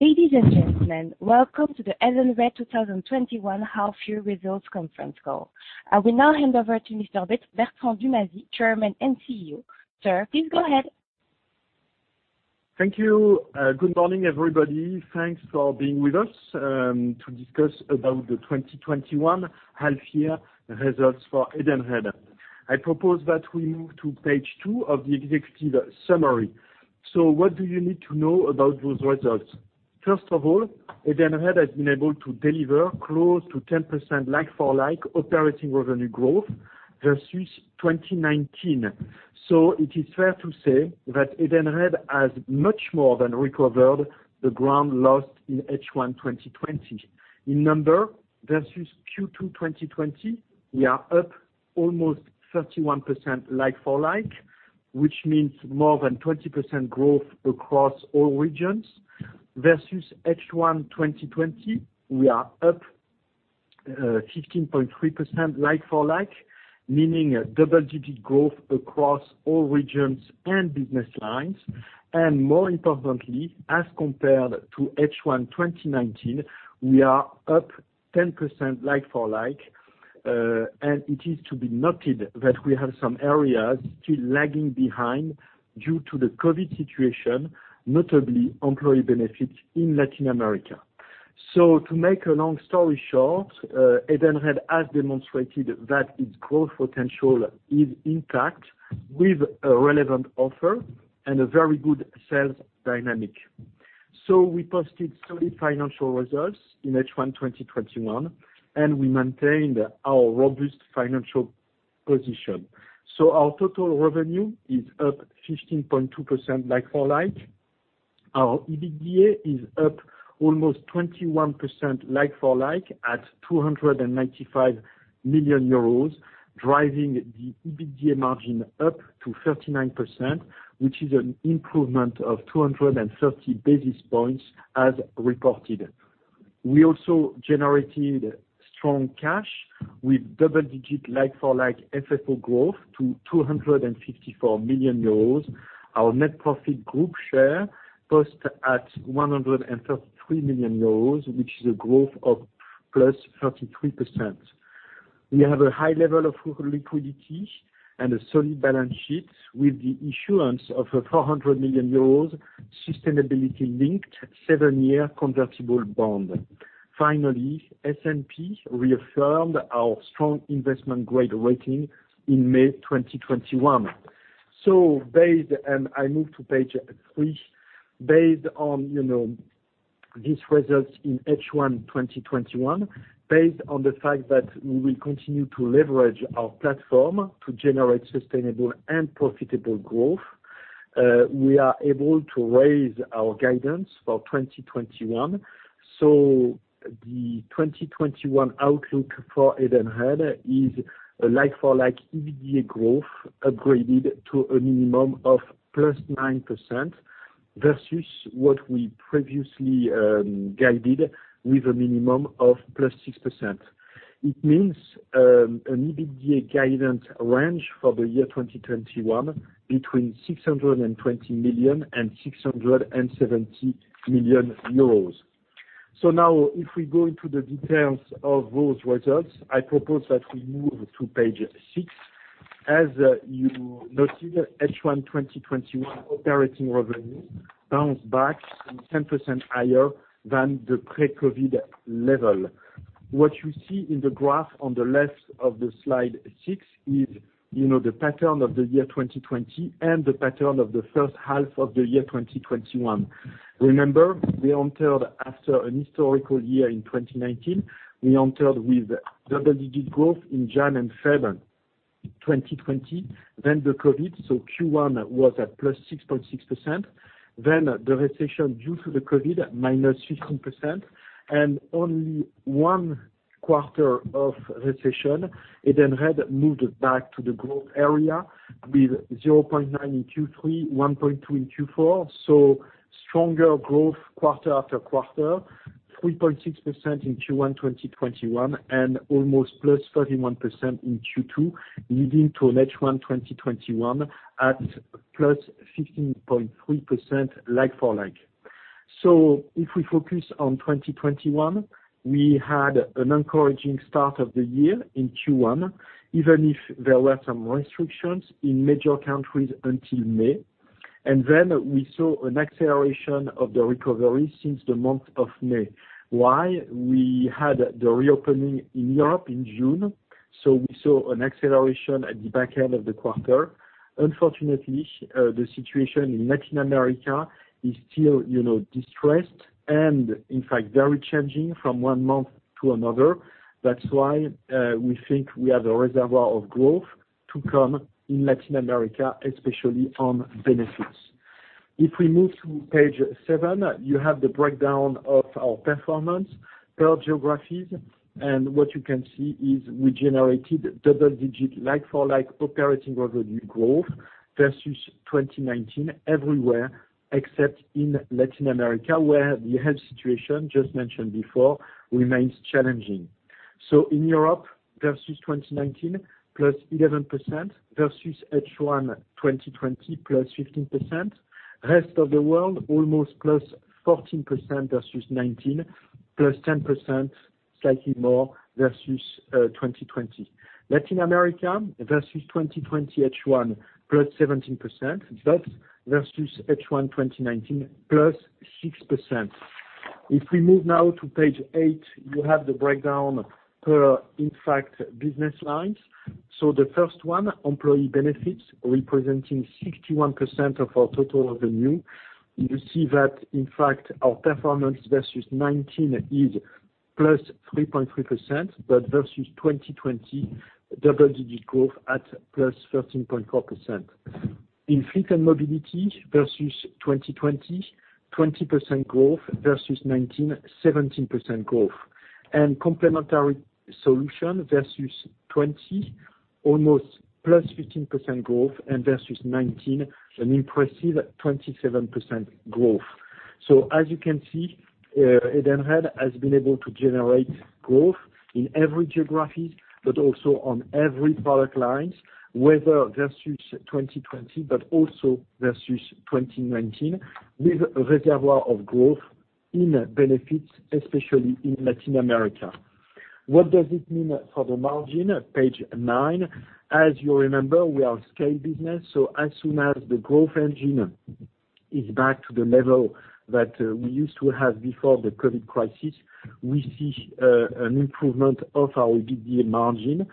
Ladies and gentlemen, welcome to the Edenred 2021 half-year results conference call. I will now hand over to Mr. Bertrand Dumazy, Chairman and CEO. Sir, please go ahead. Thank you. Good morning, everybody. Thanks for being with us to discuss about the 2021 half-year results for Edenred. I propose that we move to page two of the executive summary. What do you need to know about those results? First of all, Edenred has been able to deliver close to 10% like-for-like operating revenue growth versus 2019. It is fair to say that Edenred has much more than recovered the ground lost in H1 2020. In number, versus Q2 2020, we are up almost 31% like-for-like, which means more than 20% growth across all regions. Versus H1 2020, we are up 15.3% like-for-like, meaning double-digit growth across all regions and business lines. More importantly, as compared to H1 2019, we are up 10% like-for-like. It is to be noted that we have some areas still lagging behind due to the COVID situation, notably employee benefits in Latin America. To make a long story short, Edenred has demonstrated that its growth potential is intact with a relevant offer and a very good sales dynamic. We posted solid financial results in H1 2021, and we maintained our robust financial position. Our total revenue is up 15.2% like-for-like. Our EBITDA is up almost 21% like-for-like at 295 million euros, driving the EBITDA margin up to 39%, which is an improvement of 230 basis points as reported. We also generated strong cash with double-digit like-for-like FFO growth to 254 million euros. Our net profit group share posted at 133 million euros, which is a growth of +33%. We have a high level of liquidity and a solid balance sheet with the issuance of a 400 million euros sustainability-linked seven-year convertible bond. Finally, S&P reaffirmed our strong investment-grade rating in May 2021. Based and I move to page three. Based on these results in H1 2021, based on the fact that we will continue to leverage our platform to generate sustainable and profitable growth, we are able to raise our guidance for 2021. The 2021 outlook for Edenred is a like-for-like EBITDA growth upgraded to a minimum of +9% versus what we previously guided with a minimum of +6%. It means an EBITDA guidance range for the year 2021 between 620 million and 670 million euros. Now if we go into the details of those results, I propose that we move to page six. As you notice, H1 2021 operating revenue bounced back 10% higher than the pre-COVID level. What you see in the graph on the left of slide 6 is the pattern of the year 2020 and the pattern of the first half of the year 2021. Remember, we entered after a historical year in 2019. We entered with double-digit growth in January and February 2020. The COVID, Q1 was at +6.6%. The recession due to the COVID, -15%, only one quarter of recession, Edenred moved back to the growth area with 0.9% in Q3, 1.2% in Q4. Stronger growth quarter after quarter, 3.6% in Q1 2021, almost +31% in Q2, leading to an H1 2021 at +15.3% like-for-like. If we focus on 2021, we had an encouraging start of the year in Q1, even if there were some restrictions in major countries until May. We saw an acceleration of the recovery since the month of May. Why? We had the reopening in Europe in June, so we saw an acceleration at the back end of the quarter. Unfortunately, the situation in Latin America is still distressed and, in fact, very changing from 1 month to another. That's why we think we have a reservoir of growth to come in Latin America, especially on benefits. If we move to page seven, you have the breakdown of our performance per geographies. What you can see is we generated double-digit like-for-like operating revenue growth versus 2019 everywhere except in Latin America, where the health situation just mentioned before remains challenging. In Europe versus 2019, +11%, versus H1 2020, +15%. Rest of the world, almost +14% versus 2019, +10%, slightly more versus 2020. Latin America versus 2020 H1, +17%, but versus H1 2019, +6%. If we move now to page eight, you have the breakdown per in fact business lines. The first one, employee benefits, representing 61% of our total revenue. You see that, in fact, our performance versus 2019 is +3.3%, but versus 2020, double-digit growth at +13.4%. In fleet and mobility versus 2020, 20% growth, versus 2019, 17% growth. Complementary solutions versus 2020, almost +15% growth, and versus 2019, an impressive 27% growth. As you can see, Edenred has been able to generate growth in every geography, but also on every product lines, whether versus 2020, but also versus 2019, with a reservoir of growth in benefits, especially in Latin America. What does this mean for the margin? Page nine. As you remember, we are scale business, so as soon as the growth engine is back to the level that we used to have before the COVID crisis, we see an improvement of our EBITDA margin.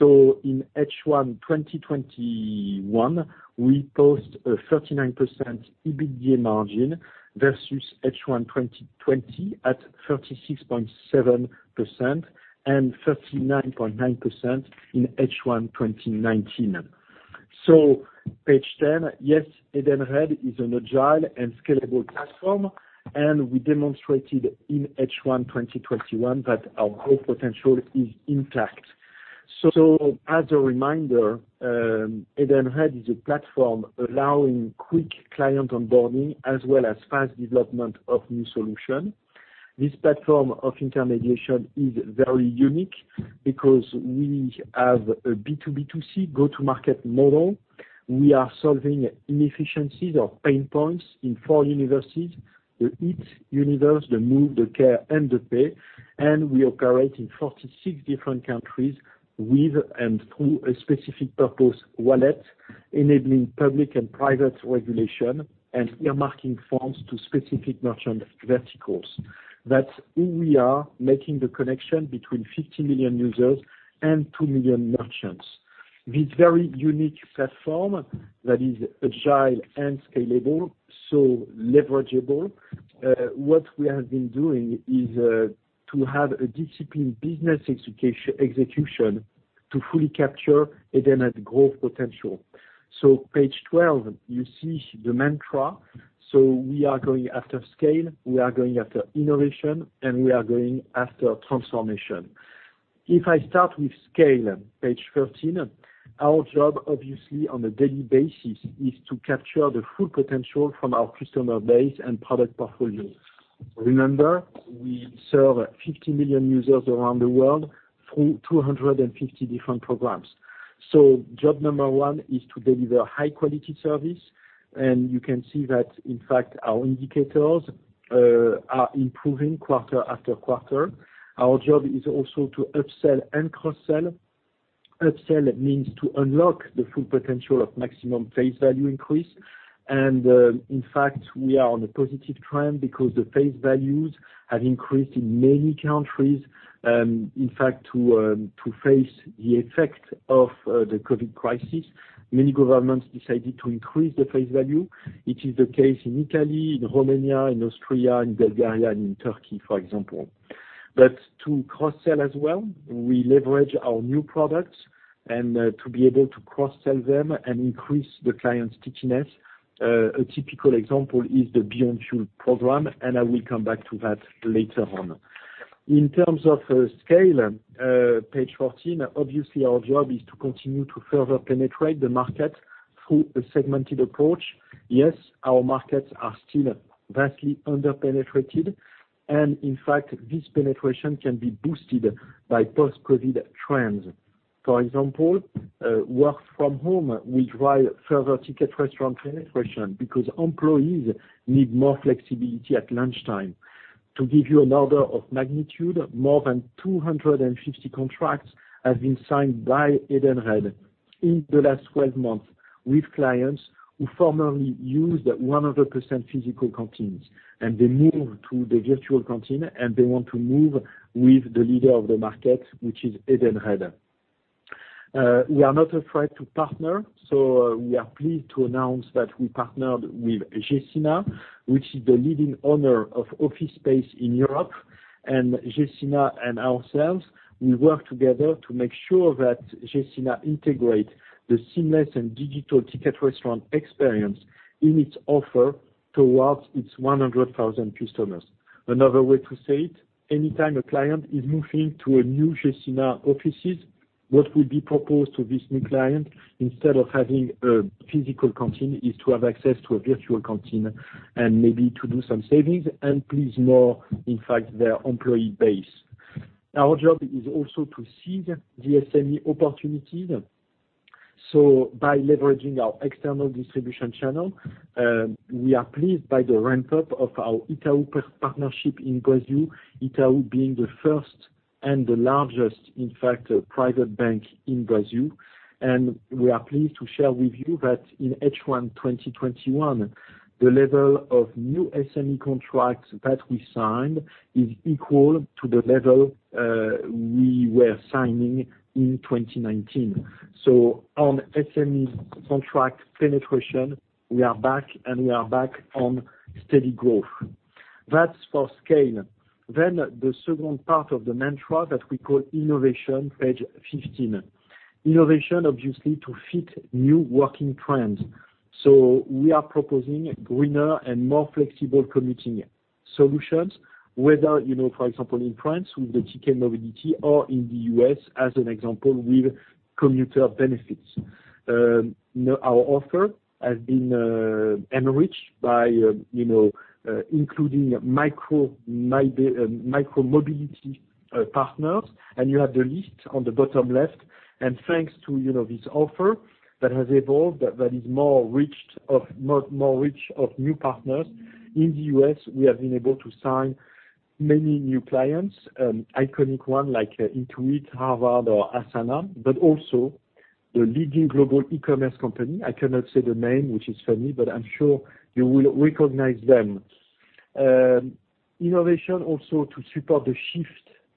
In H1 2021, we post a 39% EBITDA margin versus H1 2020 at 36.7% and 39.9% in H1 2019. Page 10, yes, Edenred is an agile and scalable platform, and we demonstrated in H1 2021 that our growth potential is intact. As a reminder, Edenred is a platform allowing quick client onboarding as well as fast development of new solution. This platform of intermediation is very unique because we have a B2B2C go-to-market model. We are solving inefficiencies or pain points in four universes, the eat universe, the move, the care, and the pay, and we operate in 46 different countries with and through a specific purpose wallet enabling public and private regulation and earmarking funds to specific merchant verticals. That's who we are, making the connection between 50 million users and 2 million merchants. This very unique platform that is agile and scalable, so leverageable. What we have been doing is to have a disciplined business execution to fully capture Edenred's growth potential. Page 12, you see the mantra. We are going after scale, we are going after innovation, and we are going after transformation. If I start with scale, page 13, our job obviously on a daily basis is to capture the full potential from our customer base and product portfolios. Remember, we serve 50 million users around the world through 250 different programs. Job number one is to deliver high-quality service, and you can see that in fact, our indicators are improving quarter after quarter. Our job is also to upsell and cross-sell. Upsell means to unlock the full potential of maximum face value increase. In fact, we are on a positive trend because the face values have increased in many countries. In fact, to face the effect of the COVID crisis, many governments decided to increase the face value. It is the case in Italy, in Romania, in Austria, in Bulgaria, and in Turkey, for example. To cross-sell as well, we leverage our new products and to be able to cross-sell them and increase the client stickiness. A typical example is the Beyond Fuel program, and I will come back to that later on. In terms of scale, page 14, obviously our job is to continue to further penetrate the market through a segmented approach. Yes, our markets are still vastly under-penetrated, and in fact, this penetration can be boosted by post-COVID trends. For example, work from home will drive further Ticket Restaurant penetration because employees need more flexibility at lunchtime. To give you an order of magnitude, more than 250 contracts have been signed by Edenred in the last 12 months with clients who formerly used 100% physical canteens, and they move to the virtual canteen, and they want to move with the leader of the market, which is Edenred. We are not afraid to partner. We are pleased to announce that we partnered with Gecina, which is the leading owner of office space in Europe. Gecina and ourselves, we work together to make sure that Gecina integrate the seamless and digital ticket restaurant experience in its offer towards its 100,000 customers. Another way to say it, anytime a client is moving to a new Gecina offices what will be proposed to this new client, instead of having a physical canteen, is to have access to a virtual canteen and maybe to do some savings and please more, in fact, their employee base. Our job is also to seize the SME opportunity. By leveraging our external distribution channel, we are pleased by the ramp-up of our Itaú partnership in Brazil, Itaú being the first and the largest, in fact, private bank in Brazil. We are pleased to share with you that in H1 2021, the level of new SME contracts that we signed is equal to the level we were signing in 2019. On SME contract penetration, we are back, and we are back on steady growth. That's for scale. The second part of the mantra that we call innovation, page 15. Innovation, obviously, to fit new working trends. We are proposing greener and more flexible commuting solutions. Whether, for example, in France with the Ticket Mobilité, or in the U.S. as an example with commuter benefits. Our offer has been enriched by including micro-mobility partners, and you have the list on the bottom left. Thanks to this offer that has evolved, that is more rich of new partners. In the U.S., we have been able to sign many new clients, iconic ones like Intuit, Harvard, or Asana, but also the leading global e-commerce company. I cannot say the name, which is funny, but I'm sure you will recognize them. Innovation also to support the shift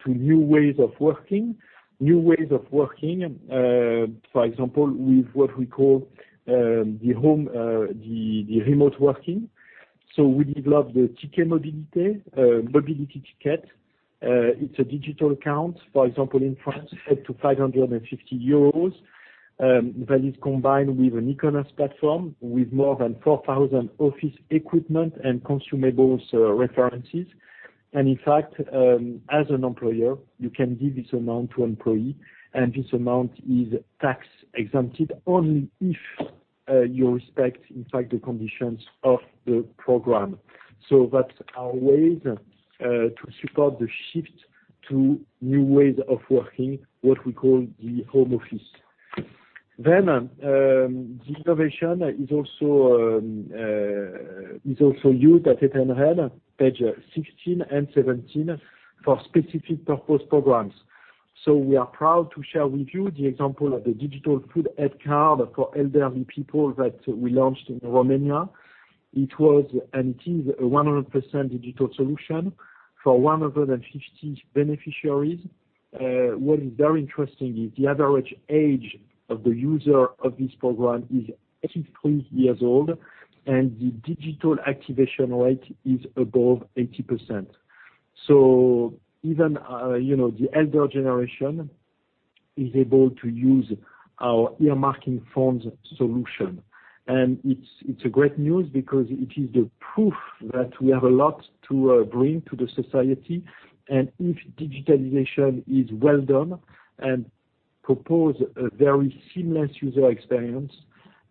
to new ways of working. New ways of working, for example, with what we call the remote working. We developed the Ticket Mobilité, Mobility Ticket. It's a digital account, for example, in France, set to 550 euros, that is combined with an e-commerce platform with more than 4,000 office equipment and consumables references. In fact, as an employer, you can give this amount to employee, and this amount is tax-exempted only if you respect, in fact, the conditions of the program. That's our ways to support the shift to new ways of working, what we call the home office. The innovation is also used at Edenred, page 16 and 17, for specific purpose programs. We are proud to share with you the example of the digital food aid card for elderly people that we launched in Romania. It was, and it is, a 100% digital solution for 150 beneficiaries. What is very interesting is the average age of the user of this program is 83 years old, and the digital activation rate is above 80%. Even the elder generation is able to use our earmarking funds solution. It's a great news because it is the proof that we have a lot to bring to the society. If digitalization is well done and propose a very seamless user experience,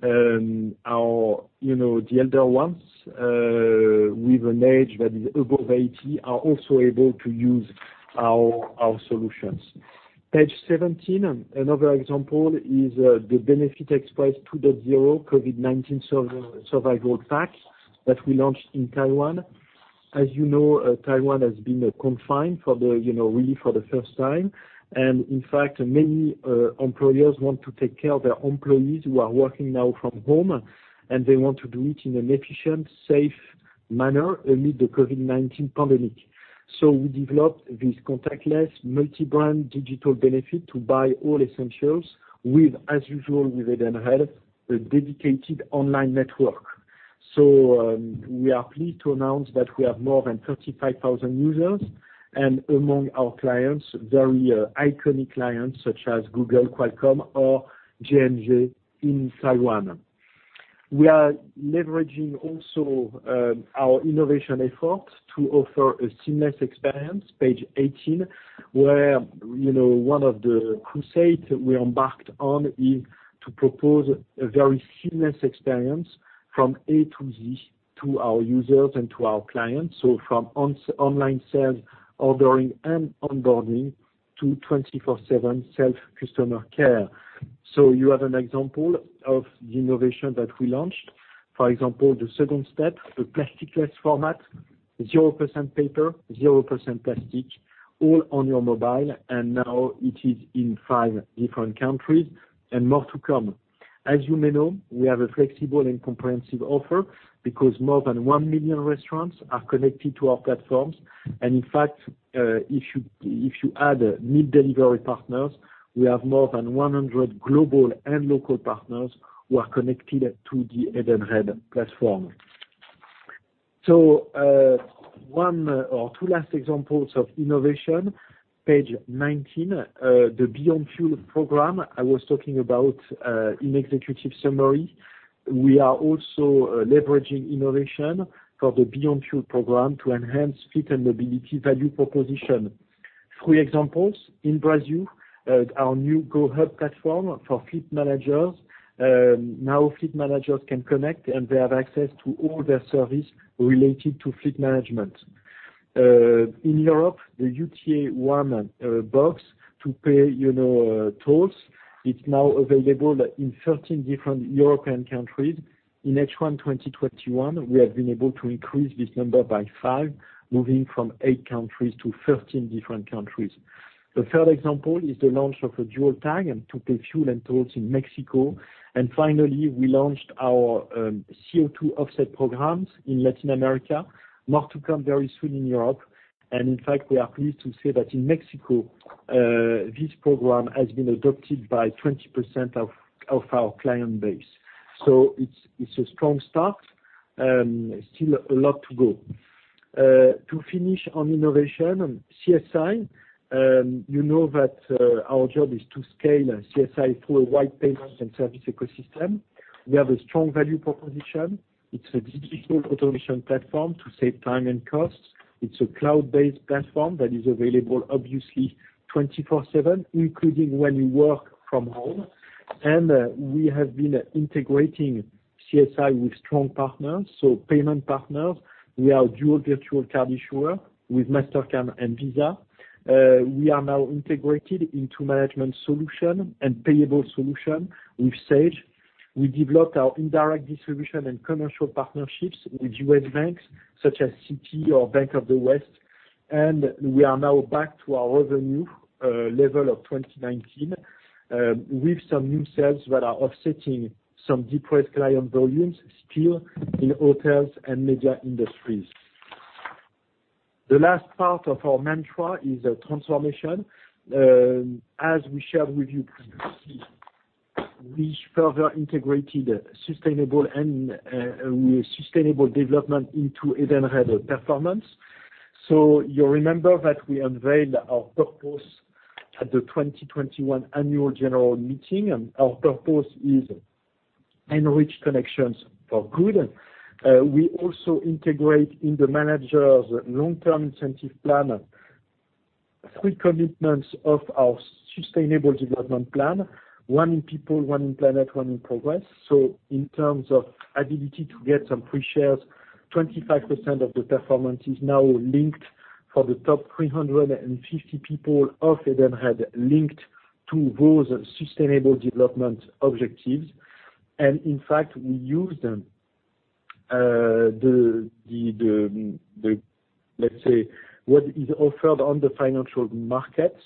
the elder ones with an age that is above 80 are also able to use our solutions. Page 17, another example is the Benefit Express 2.0 COVID-19 survival pack that we launched in Taiwan. As you know, Taiwan has been confined really for the first time. In fact, many employers want to take care of their employees who are working now from home, and they want to do it in an efficient, safe manner amid the COVID-19 pandemic. We developed this contactless multi-brand digital benefit to buy all essentials with, as usual with Edenred, a dedicated online network. We are pleased to announce that we have more than 35,000 users. Among our clients, very iconic clients such as Google, Qualcomm or JNJ in Taiwan. We are leveraging also our innovation efforts to offer a seamless experience, page 18, where one of the crusades we embarked on is to propose a very seamless experience from A to Z to our users and to our clients. From online sales, ordering and onboarding, to 24/7 self-customer care. You have an example of the innovation that we launched. For example, the second step, the plastic-less format, 0% paper, 0% plastic, all on your mobile. Now it is in five different countries, and more to come. As you may know, we have a flexible and comprehensive offer because more than 1 million restaurants are connected to our platforms. In fact, if you add meal delivery partners, we have more than 100 global and local partners who are connected to the Edenred platform. One or two last examples of innovation, page 19, the Beyond Fuel program I was talking about in executive summary. We are also leveraging innovation for the Beyond Fuel program to enhance Fleet and Mobility value proposition. Three examples. In Brazil, our new GoHub platform for fleet managers. Now fleet managers can connect, and they have access to all their service related to fleet management. In Europe, the UTA One box to pay tolls. It's now available in 13 different European countries. In H1 2021, we have been able to increase this number by five, moving from eight countries to 13 different countries. The third example is the launch of a dual tag and to pay fuel and tolls in Mexico. Finally, we launched our CO2 offset programs in Latin America. More to come very soon in Europe. In fact, we are pleased to say that in Mexico, this program has been adopted by 20% of our client base. It's a strong start. Still a lot to go. To finish on innovation and CSI, you know that our job is to scale CSI through a wide payment and service ecosystem. We have a strong value proposition. It's a digital automation platform to save time and costs. It's a cloud-based platform that is available obviously 24/7, including when you work from home. We have been integrating CSI with strong partners. Payment partners, we are dual virtual card issuer with Mastercard and Visa. We are now integrated into management solution and payable solution with Sage. We developed our indirect distribution and commercial partnerships with U.S. banks such as Citi or Bank of the West. We are now back to our revenue level of 2019, with some new sales that are offsetting some depressed client volumes still in hotels and media industries. The last part of our mantra is transformation. As we shared with you previously, we further integrated sustainable development into Edenred performance. You remember that we unveiled our purpose at the 2021 annual general meeting, and our purpose is Enrich connections. For good. We also integrate in the managers' long-term incentive plan, three commitments of our sustainable development plan, one in people, one in planet, one in progress. In terms of ability to get some free shares, 25% of the performance is now linked for the top 350 people of Edenred linked to those sustainable development objectives. In fact, we use them. Let's say, what is offered on the financial markets.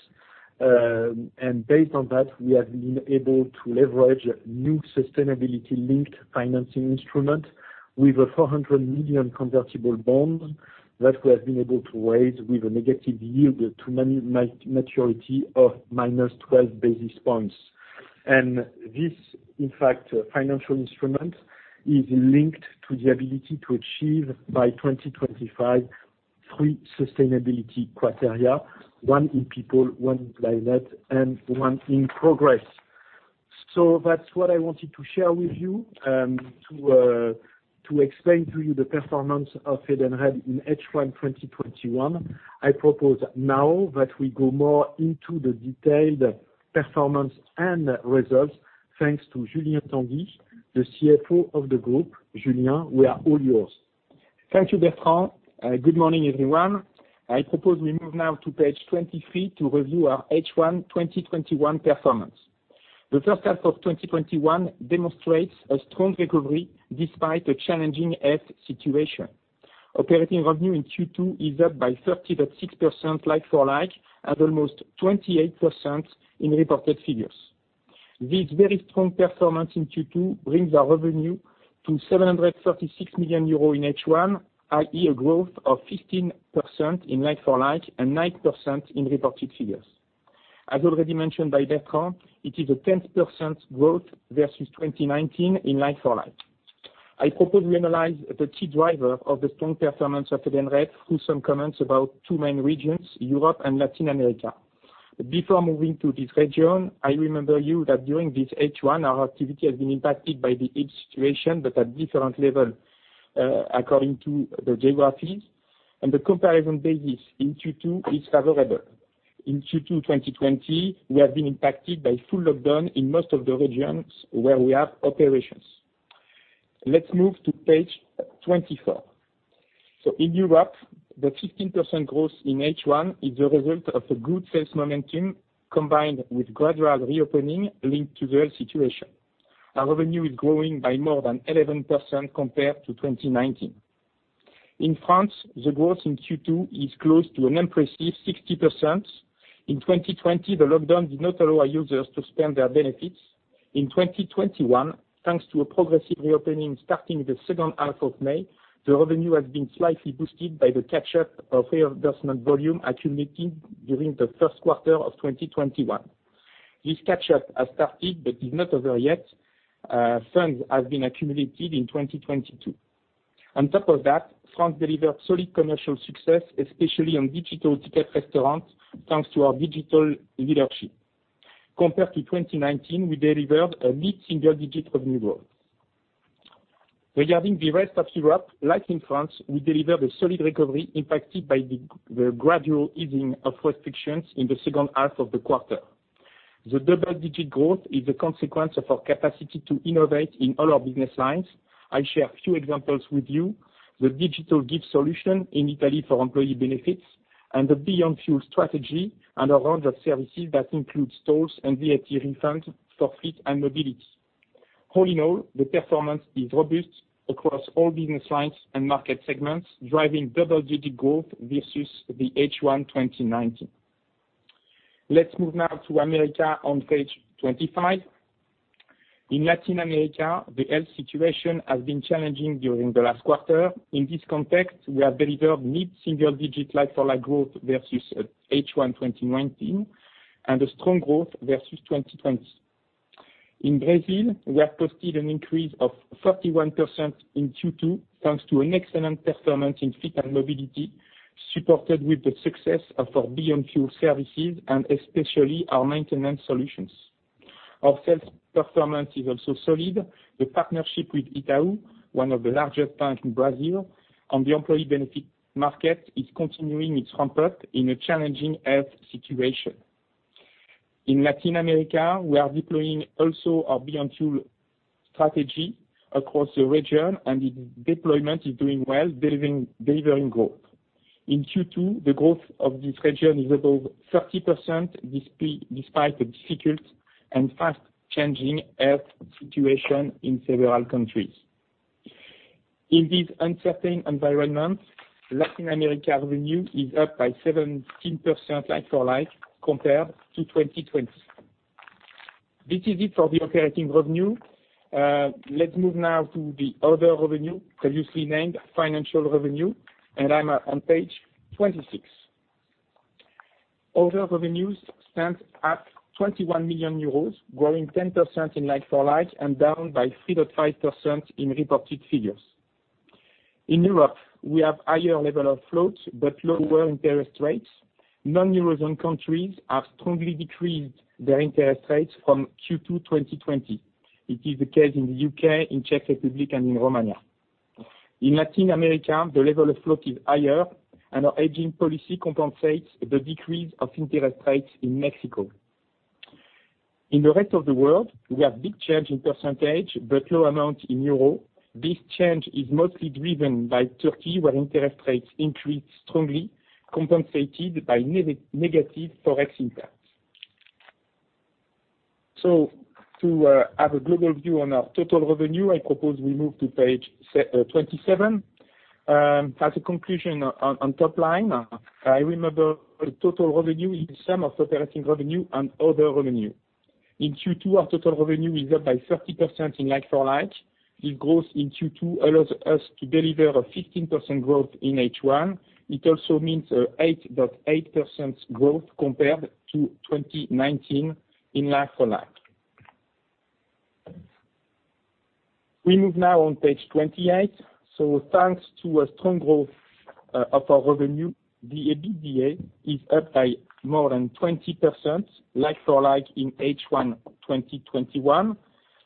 Based on that, we have been able to leverage new sustainability-linked financing instrument with a 400 million convertible bonds that we have been able to raise with a negative yield to maturity of -12 basis points. This, in fact, financial instrument is linked to the ability to achieve by 2025, three sustainability criteria, one in people, one in planet, and one in progress. That's what I wanted to share with you, to explain to you the performance of Edenred in H1 2021. I propose now that we go more into the detailed performance and results. Thanks to Julien Tanguy, the CFO of the group. Julien, we are all yours. Thank you, Bertrand. Good morning, everyone. I propose we move now to page 23 to review our H1 2021 performance. The first half of 2021 demonstrates a strong recovery despite a challenging health situation. Operating revenue in Q2 is up by 30.6% like-for-like, and almost 28% in reported figures. This very strong performance in Q2 brings our revenue to 736 million euro in H1, i.e., a growth of 15% in like-for-like and 9% in reported figures. As already mentioned by Bertrand, it is a 10% growth versus 2019 in like-for-like. I propose we analyze the key driver of the strong performance of Edenred through some comments about two main regions, Europe and Latin America. Before moving to this region, I remember you that during this H1, our activity has been impacted by the health situation, but at different level according to the geographies. The comparison basis in Q2 is favorable. In Q2 2020, we have been impacted by full lockdown in most of the regions where we have operations. Let's move to page 24. In Europe, the 15% growth in H1 is a result of a good sales momentum combined with gradual reopening linked to the health situation. Our revenue is growing by more than 11% compared to 2019. In France, the growth in Q2 is close to an impressive 60%. In 2020, the lockdown did not allow users to spend their benefits. In 2021, thanks to a progressive reopening starting the second half of May, the revenue has been slightly boosted by the catch-up of reimbursement volume accumulating during the first quarter of 2021. This catch-up has started, but is not over yet. Funds have been accumulated in 2022. On top of that, France delivered solid commercial success, especially on digital ticket restaurant, thanks to our digital leadership. Compared to 2019, we delivered a mid-single digit of new growth. Regarding the rest of Europe, like in France, we delivered a solid recovery impacted by the gradual easing of restrictions in the second half of the quarter. The double-digit growth is a consequence of our capacity to innovate in all our business lines. I share a few examples with you. The digital gift solution in Italy for employee benefits and the Beyond Fuel strategy and a range of services that includes tolls and VAT refunds for fleet and mobility. All in all, the performance is robust across all business lines and market segments, driving double-digit growth versus the H1 2019. Let's move now to America on page 25. In Latin America, the health situation has been challenging during the last quarter. In this context, we have delivered mid-single digit like-for-like growth versus H1 2019 and a strong growth versus 2020. In Brazil, we have posted an increase of 31% in Q2 thanks to an excellent performance in fleet and mobility, supported with the success of our Beyond Fuel services and especially our maintenance solutions. Our sales performance is also solid. The partnership with Itaú, one of the largest banks in Brazil, on the employee benefit market is continuing its ramp-up in a challenging health situation. In Latin America, we are deploying also our Beyond Fuel strategy across the region, and the deployment is doing well, delivering growth. In Q2, the growth of this region is above 30%, despite the difficult and fast-changing health situation in several countries. In this uncertain environment, Latin America revenue is up by 17% like-for-like compared to 2020. This is it for the operating revenue. Let's move now to the other revenue, previously named financial revenue. I'm on Page 26. Other revenues stand at 21 million euros, growing 10% in like-for-like and down by 3.5% in reported figures. In Europe, we have higher level of floats but lower interest rates. Non-Eurozone countries have strongly decreased their interest rates from Q2 2020. It is the case in the U.K., in Czech Republic, and in Romania. In Latin America, the level of float is higher. Our hedging policy compensates the decrease of interest rates in Mexico. In the rest of the world, we have big change in percentage, but low amount in euro. This change is mostly driven by Turkey, where interest rates increased strongly, compensated by negative Forex impact. To have a global view on our total revenue, I propose we move to page 27. As a conclusion on top line, I remember total revenue is sum of operating revenue and other revenue. In Q2, our total revenue is up by 30% in like-for-like. This growth in Q2 allows us to deliver a 15% growth in H1. It also means a 8.8% growth compared to 2019 in like-for-like. We move now on page 28. Thanks to a strong growth of our revenue, the EBITDA is up by more than 20% like-for-like in H1 2021,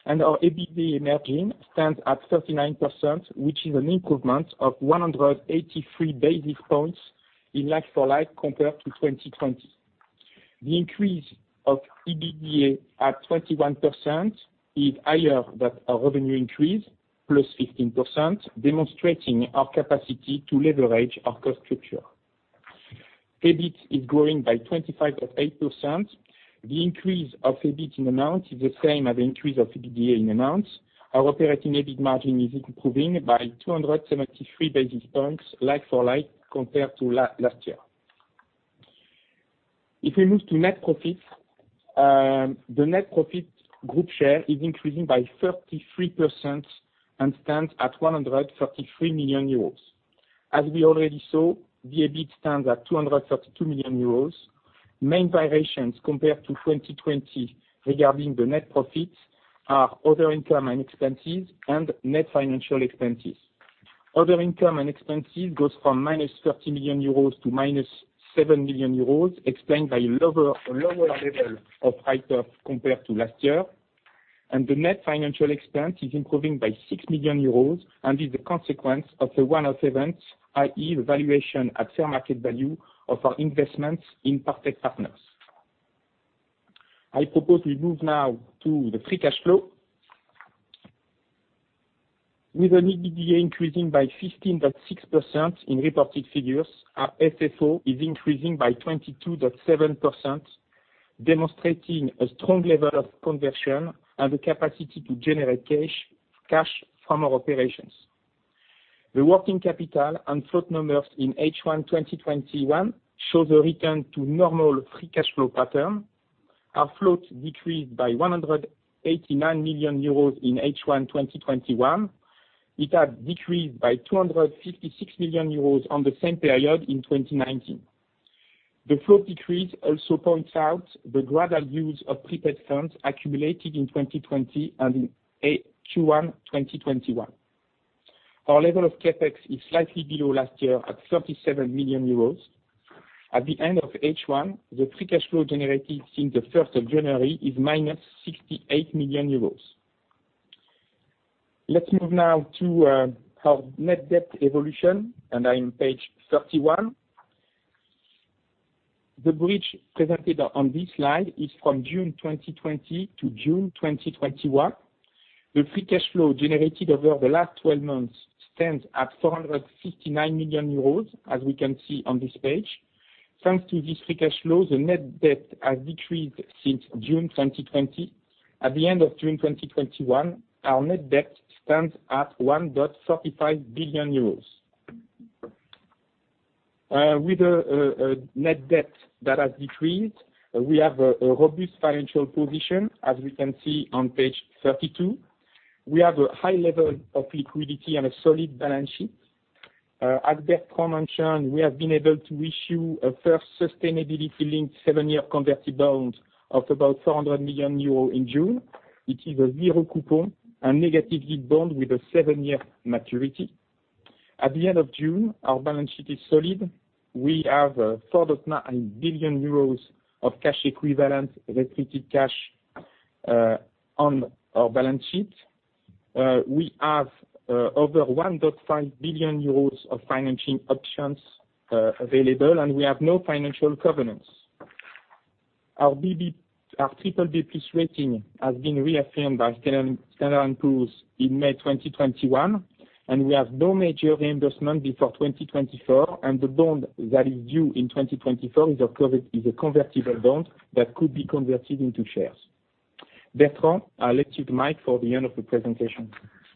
and our EBITDA margin stands at 39%, which is an improvement of 183 basis points in like-for-like compared to 2020. The increase of EBITDA at 21% is higher than our revenue increase, +15%, demonstrating our capacity to leverage our cost structure. EBIT is growing by 25.8%. The increase of EBIT in amount is the same as increase of EBITDA in amount. Our operating EBIT margin is improving by 273 basis points like-for-like compared to last year. If we move to net profits, the net profit group share is increasing by 33% and stands at 133 million euros. As we already saw, the EBIT stands at 232 million euros. Main variations compared to 2020 regarding the net profits are other income and expenses and net financial expenses. Other income and expenses goes from -30 million euros to EUR _7 million, explained by a lower level of item compared to last year. The net financial expense is improving by 6 million euros and is a consequence of a one-off event, i.e., valuation at fair market value of our investments in Partech Partners. I propose we move now to the free cash flow. With an EBITDA increasing by 15.6% in reported figures, our FFO is increasing by 22.7%, demonstrating a strong level of conversion and the capacity to generate cash from our operations. The working capital and float numbers in H1 2021 show the return to normal free cash flow pattern. Our float decreased by 189 million euros in H1 2021. It had decreased by 256 million euros on the same period in 2019. The flow decrease also points out the gradual use of prepaid funds accumulated in 2020 and in Q1 2021. Our level of CapEx is slightly below last year at 37 million euros. At the end of H1, the free cash flow generated since the 1st of January is minus 68 million euros. Let's move now to our net debt evolution, and I am page 31. The bridge presented on this slide is from June 2020 to June 2021. The free cash flow generated over the last 12 months stands at 469 million euros, as we can see on this page. Thanks to this free cash flow, the net debt has decreased since June 2020. At the end of June 2021, our net debt stands at 1.35 billion euros. With a net debt that has decreased, we have a robust financial position, as we can see on page 32. We have a high level of liquidity and a solid balance sheet. As Bertrand mentioned, we have been able to issue a first sustainability-linked seven year convertible bond of about 400 million euros in June. It is a zero coupon and negative yield bond with a seven year maturity. At the end of June, our balance sheet is solid. We have 4.9 billion euros of cash equivalents, restricted cash on our balance sheet. We have over 1.5 billion euros of financing options available. We have no financial covenants. Our BBB+ rating has been reaffirmed by Standard & Poor's in May 2021. We have no major reimbursement before 2024. The bond that is due in 2024 is a convertible bond that could be converted into shares. Bertrand, I let you the mic for the end of the presentation.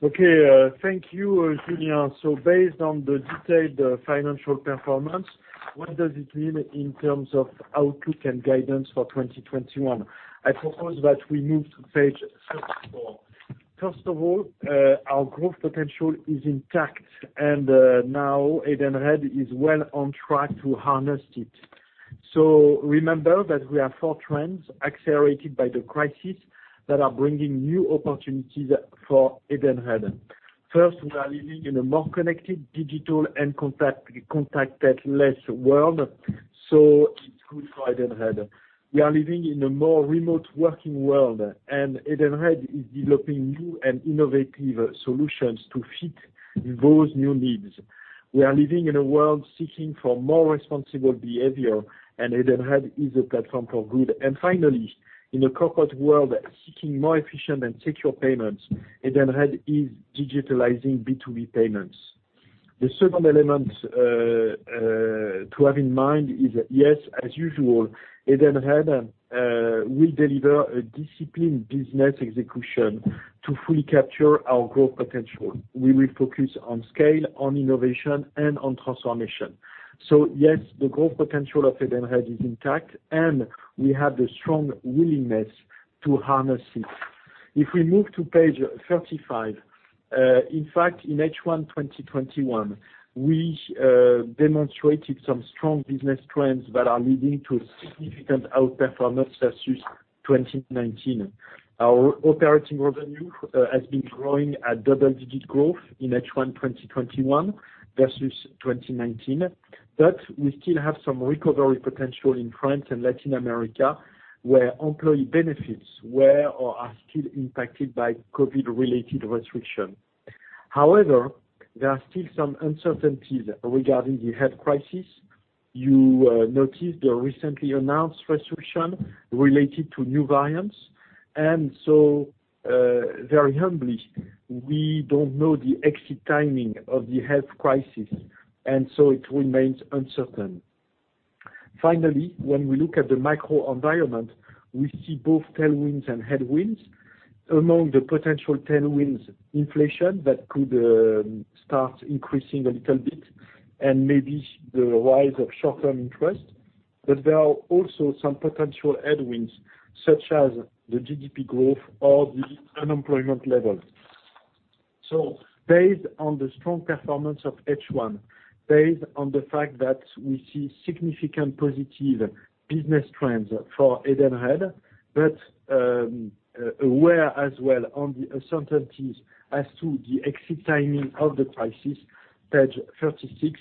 Okay, thank you, Julien. Based on the detailed financial performance, what does it mean in terms of outlook and guidance for 2021? I propose that we move to page 34. First of all, our growth potential is intact, and now Edenred is well on track to harness it. Remember that we have four trends accelerated by the crisis that are bringing new opportunities for Edenred. First, we are living in a more connected digital and contactless world, so it's good for Edenred. We are living in a more remote working world, and Edenred is developing new and innovative solutions to fit those new needs. We are living in a world seeking for more responsible behavior, and Edenred is a platform for good. Finally, in a corporate world seeking more efficient and secure payments, Edenred is digitalizing B2B payments. The second element to have in mind is, yes, as usual, Edenred will deliver a disciplined business execution to fully capture our growth potential. We will focus on scale, on innovation, and on transformation. Yes, the growth potential of Edenred is intact, and we have the strong willingness to harness it. If we move to page 35. In fact, in H1 2021, we demonstrated some strong business trends that are leading to a significant outperformance versus 2019. Our operating revenue has been growing at double-digit growth in H1 2021 versus 2019. We still have some recovery potential in France and Latin America, where employee benefits were or are still impacted by COVID-related restrictions. However, there are still some uncertainties regarding the health crisis. You noticed the recently announced restriction related to new variants. Very humbly, we don't know the exit timing of the health crisis, and so it remains uncertain. Finally, when we look at the macro environment, we see both tailwinds and headwinds. Among the potential tailwinds, inflation that could start increasing a little bit, and maybe the rise of short-term interest. There are also some potential headwinds, such as the GDP growth or the unemployment level. Based on the strong performance of H1, based on the fact that we see significant positive business trends for Edenred, but aware as well on the uncertainties as to the exit timing of the crisis, page 36,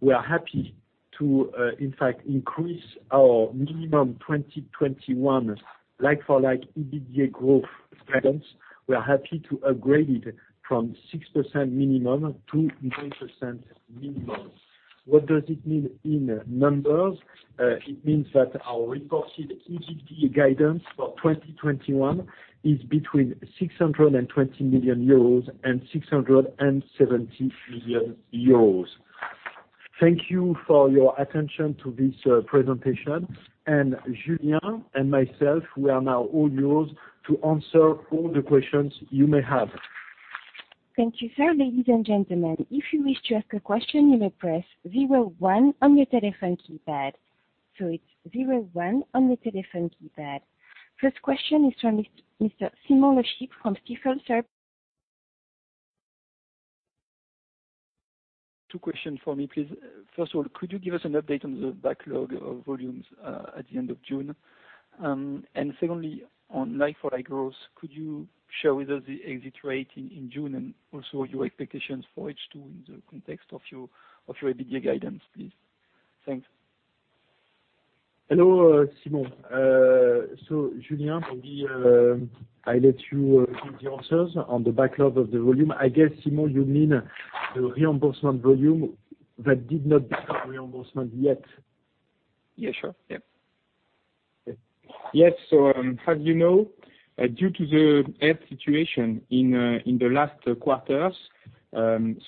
we are happy to, in fact, increase our minimum 2021 like-for-like EBITDA growth guidance. We are happy to upgrade it from 6% minimum to 9% minimum. What does it mean in numbers? It means that our reported EBITDA guidance for 2021 is between 620 million euros and 670 million euros. Thank you for your attention to this presentation. Julien and myself, we are now all yours to answer all the questions you may have. Thank you, sir. Ladies and gentlemen, if you wish to ask a question, you may press zero one on your telephone keypad. It's zero one on your telephone keypad. First question is from Mr. Simon LeChipre from Stifel. Two questions for me, please. First of all, could you give us an update on the backlog of volumes at the end of June? Secondly, on like-for-like growth, could you share with us the exit rate in June and also your expectations for H2 in the context of your EBITDA guidance, please? Thanks. Hello, Simon. Julien, maybe I let you give the answers on the backlog of the volume. I guess, Simon, you mean the reimbursement volume that did not become reimbursement yet. Yeah, sure. Yes. As you know, due to the health situation in the last quarters,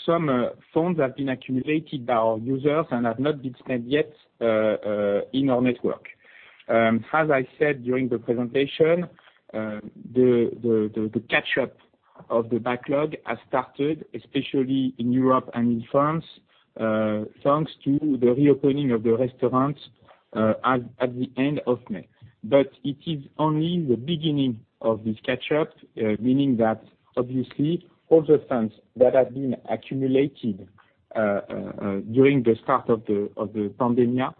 some funds have been accumulated by our users and have not been spent yet in our network. As I said during the presentation, the catch-up of the backlog has started, especially in Europe and in France, thanks to the reopening of the restaurants at the end of May. It is only the beginning of this catch-up, meaning that obviously all the funds that have been accumulated during the start of the pandemic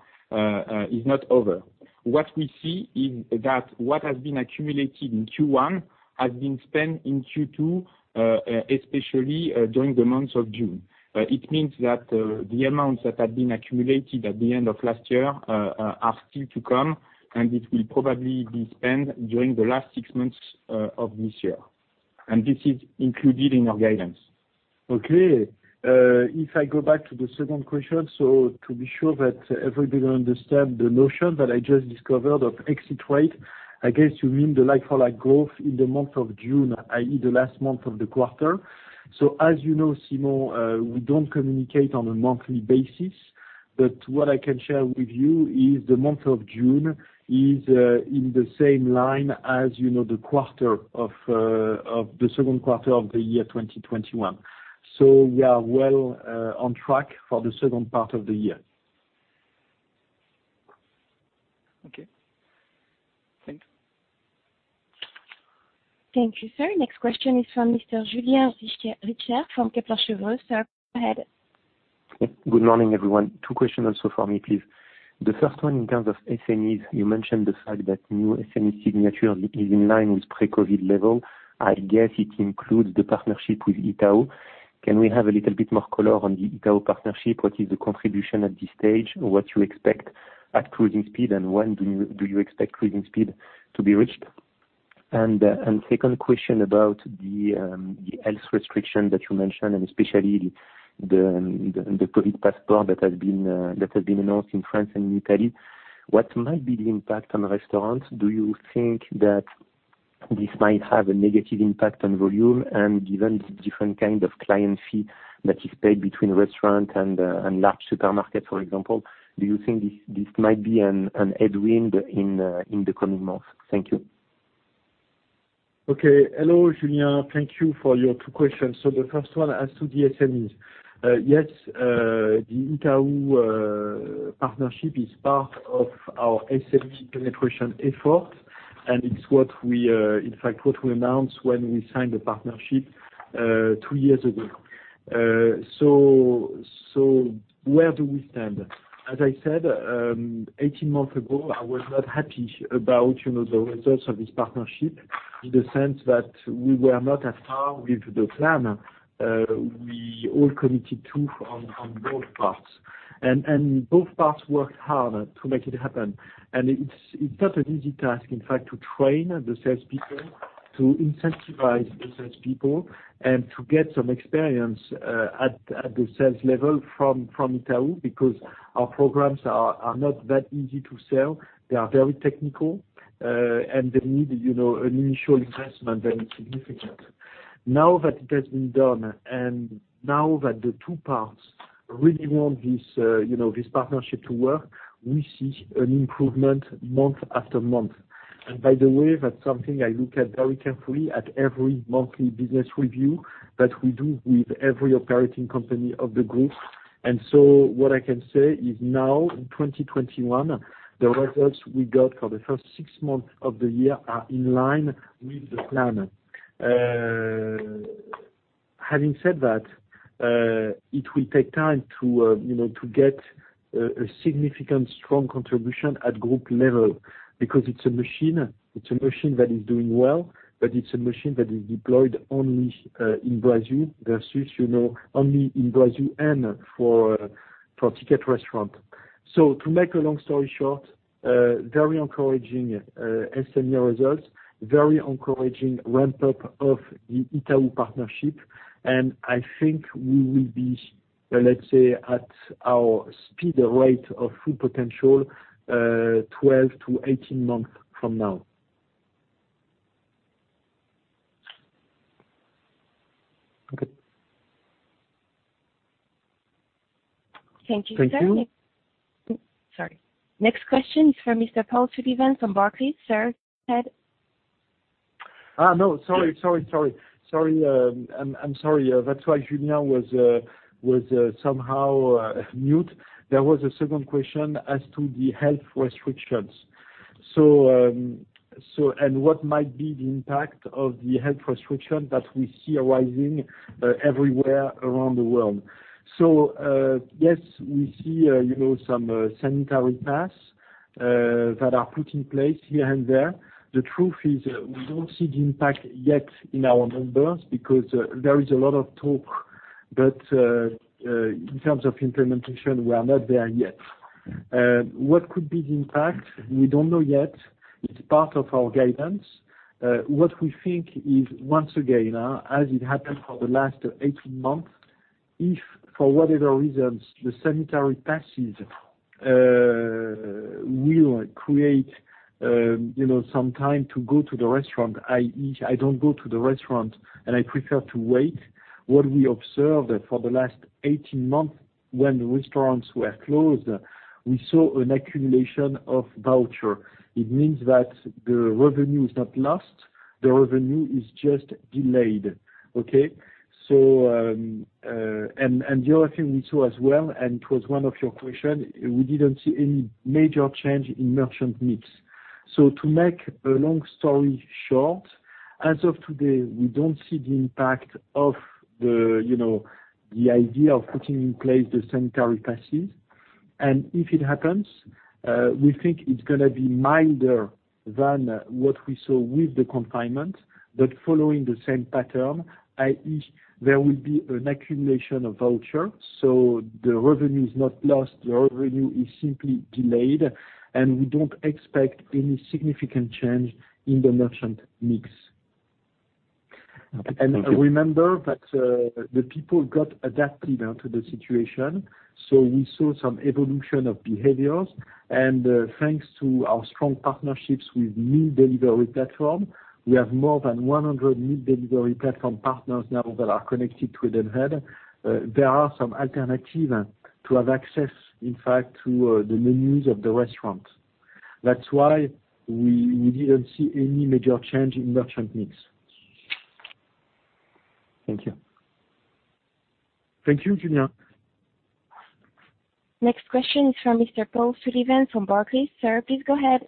is not over. What we see is that what has been accumulated in Q1 has been spent in Q2, especially during the month of June. It means that the amounts that had been accumulated at the end of last year are still to come, and it will probably be spent during the last six months of this year. This is included in our guidance. Okay. If I go back to the second question, so to be sure that everybody understand the notion that I just discovered of exit rate, I guess you mean the like-for-like growth in the month of June, i.e., the last month of the quarter. As you know, Simon, we don't communicate on a monthly basis, but what I can share with you is the month of June is in the same line as the second quarter of the year 2021. We are well on track for the second part of the year. Okay. Thanks. Thank you, sir. Next question is from Mr. Julien Richer from Kepler Cheuvreux. Sir, go ahead. Good morning, everyone. Two questions also from me, please. The first one, in terms of SMEs, you mentioned the fact that new SME signature is in line with pre-COVID level. I guess it includes the partnership with Itaú. Can we have a little bit more color on the Itaú partnership? What is the contribution at this stage? What you expect at cruising speed, and when do you expect cruising speed to be reached? Second question about the health restriction that you mentioned, and especially the COVID passport that has been announced in France and in Italy. What might be the impact on restaurants? Do you think that this might have a negative impact on volume? Given the different kind of client fee that is paid between restaurant and large supermarket, for example, do you think this might be an headwind in the coming months? Thank you. Hello, Julien. Thank you for your two questions. The first one, as to the SMEs. Yes, the Itaú partnership is part of our SME penetration effort, and it's what we announced when we signed the partnership two years ago. Where do we stand? As I said, 18 months ago, I was not happy about the results of this partnership in the sense that we were not as far with the plan we all committed to on both parts. Both parts worked hard to make it happen. It's not an easy task, in fact, to train the salespeople, to incentivize the salespeople, and to get some experience at the sales level from Itaú, because our programs are not that easy to sell. They are very technical, and they need an initial investment that is significant. Now that it has been done, and now that the two parts really want this partnership to work, we see an improvement month after month. By the way, that's something I look at very carefully at every monthly business review that we do with every operating company of the group. What I can say is now in 2021, the results we got for the first six months of the year are in line with the plan. Having said that, it will take time to get a significant, strong contribution at group level because it's a machine that is doing well, but it's a machine that is deployed only in Brazil versus only in Brazil and for Ticket Restaurant. To make a long story short, very encouraging SME results, very encouraging ramp-up of the Itaú partnership, and I think we will be, let's say, at our speed rate of full potential, 12 to 18 months from now. Okay. Thank you, sir. Thank you. Sorry. Next question is from Mr. Paul Sullivan from Barclays. Sir, go ahead. No, sorry. I'm sorry. That's why Julien was somehow mute. There was a second question as to the health restrictions. What might be the impact of the health restriction that we see arising everywhere around the world? Yes, we see some sanitary pass that are put in place here and there. The truth is we don't see the impact yet in our numbers because there is a lot of talk, but in terms of implementation, we are not there yet. What could be the impact? We don't know yet. It's part of our guidance. What we think is, once again, as it happened for the last 18 months, if for whatever reasons, the sanitary passes will create some time to go to the restaurant, i.e., I don't go to the restaurant and I prefer to wait. What we observed for the last 18 months when restaurants were closed, we saw an accumulation of voucher. It means that the revenue is not lost, the revenue is just delayed, okay? The other thing we saw as well, and it was one of your question, we didn't see any major change in merchant mix. To make a long story short, as of today, we don't see the impact of the idea of putting in place the sanitary passes. If it happens, we think it's going to be milder than what we saw with the confinement. Following the same pattern, i.e., there will be an accumulation of voucher. The revenue is not lost, the revenue is simply delayed. We don't expect any significant change in the merchant mix. Okay, thank you. Remember that the people got adapted to the situation. We saw some evolution of behaviors. Thanks to our strong partnerships with meal delivery platform, we have more than 100 meal delivery platform partners now that are connected to Edenred. There are some alternative to have access, in fact, to the menus of the restaurant. That's why we didn't see any major change in merchant mix. Thank you. Thank you, Julien. Next question is from Mr. Paul Sullivan from Barclays. Sir, please go ahead.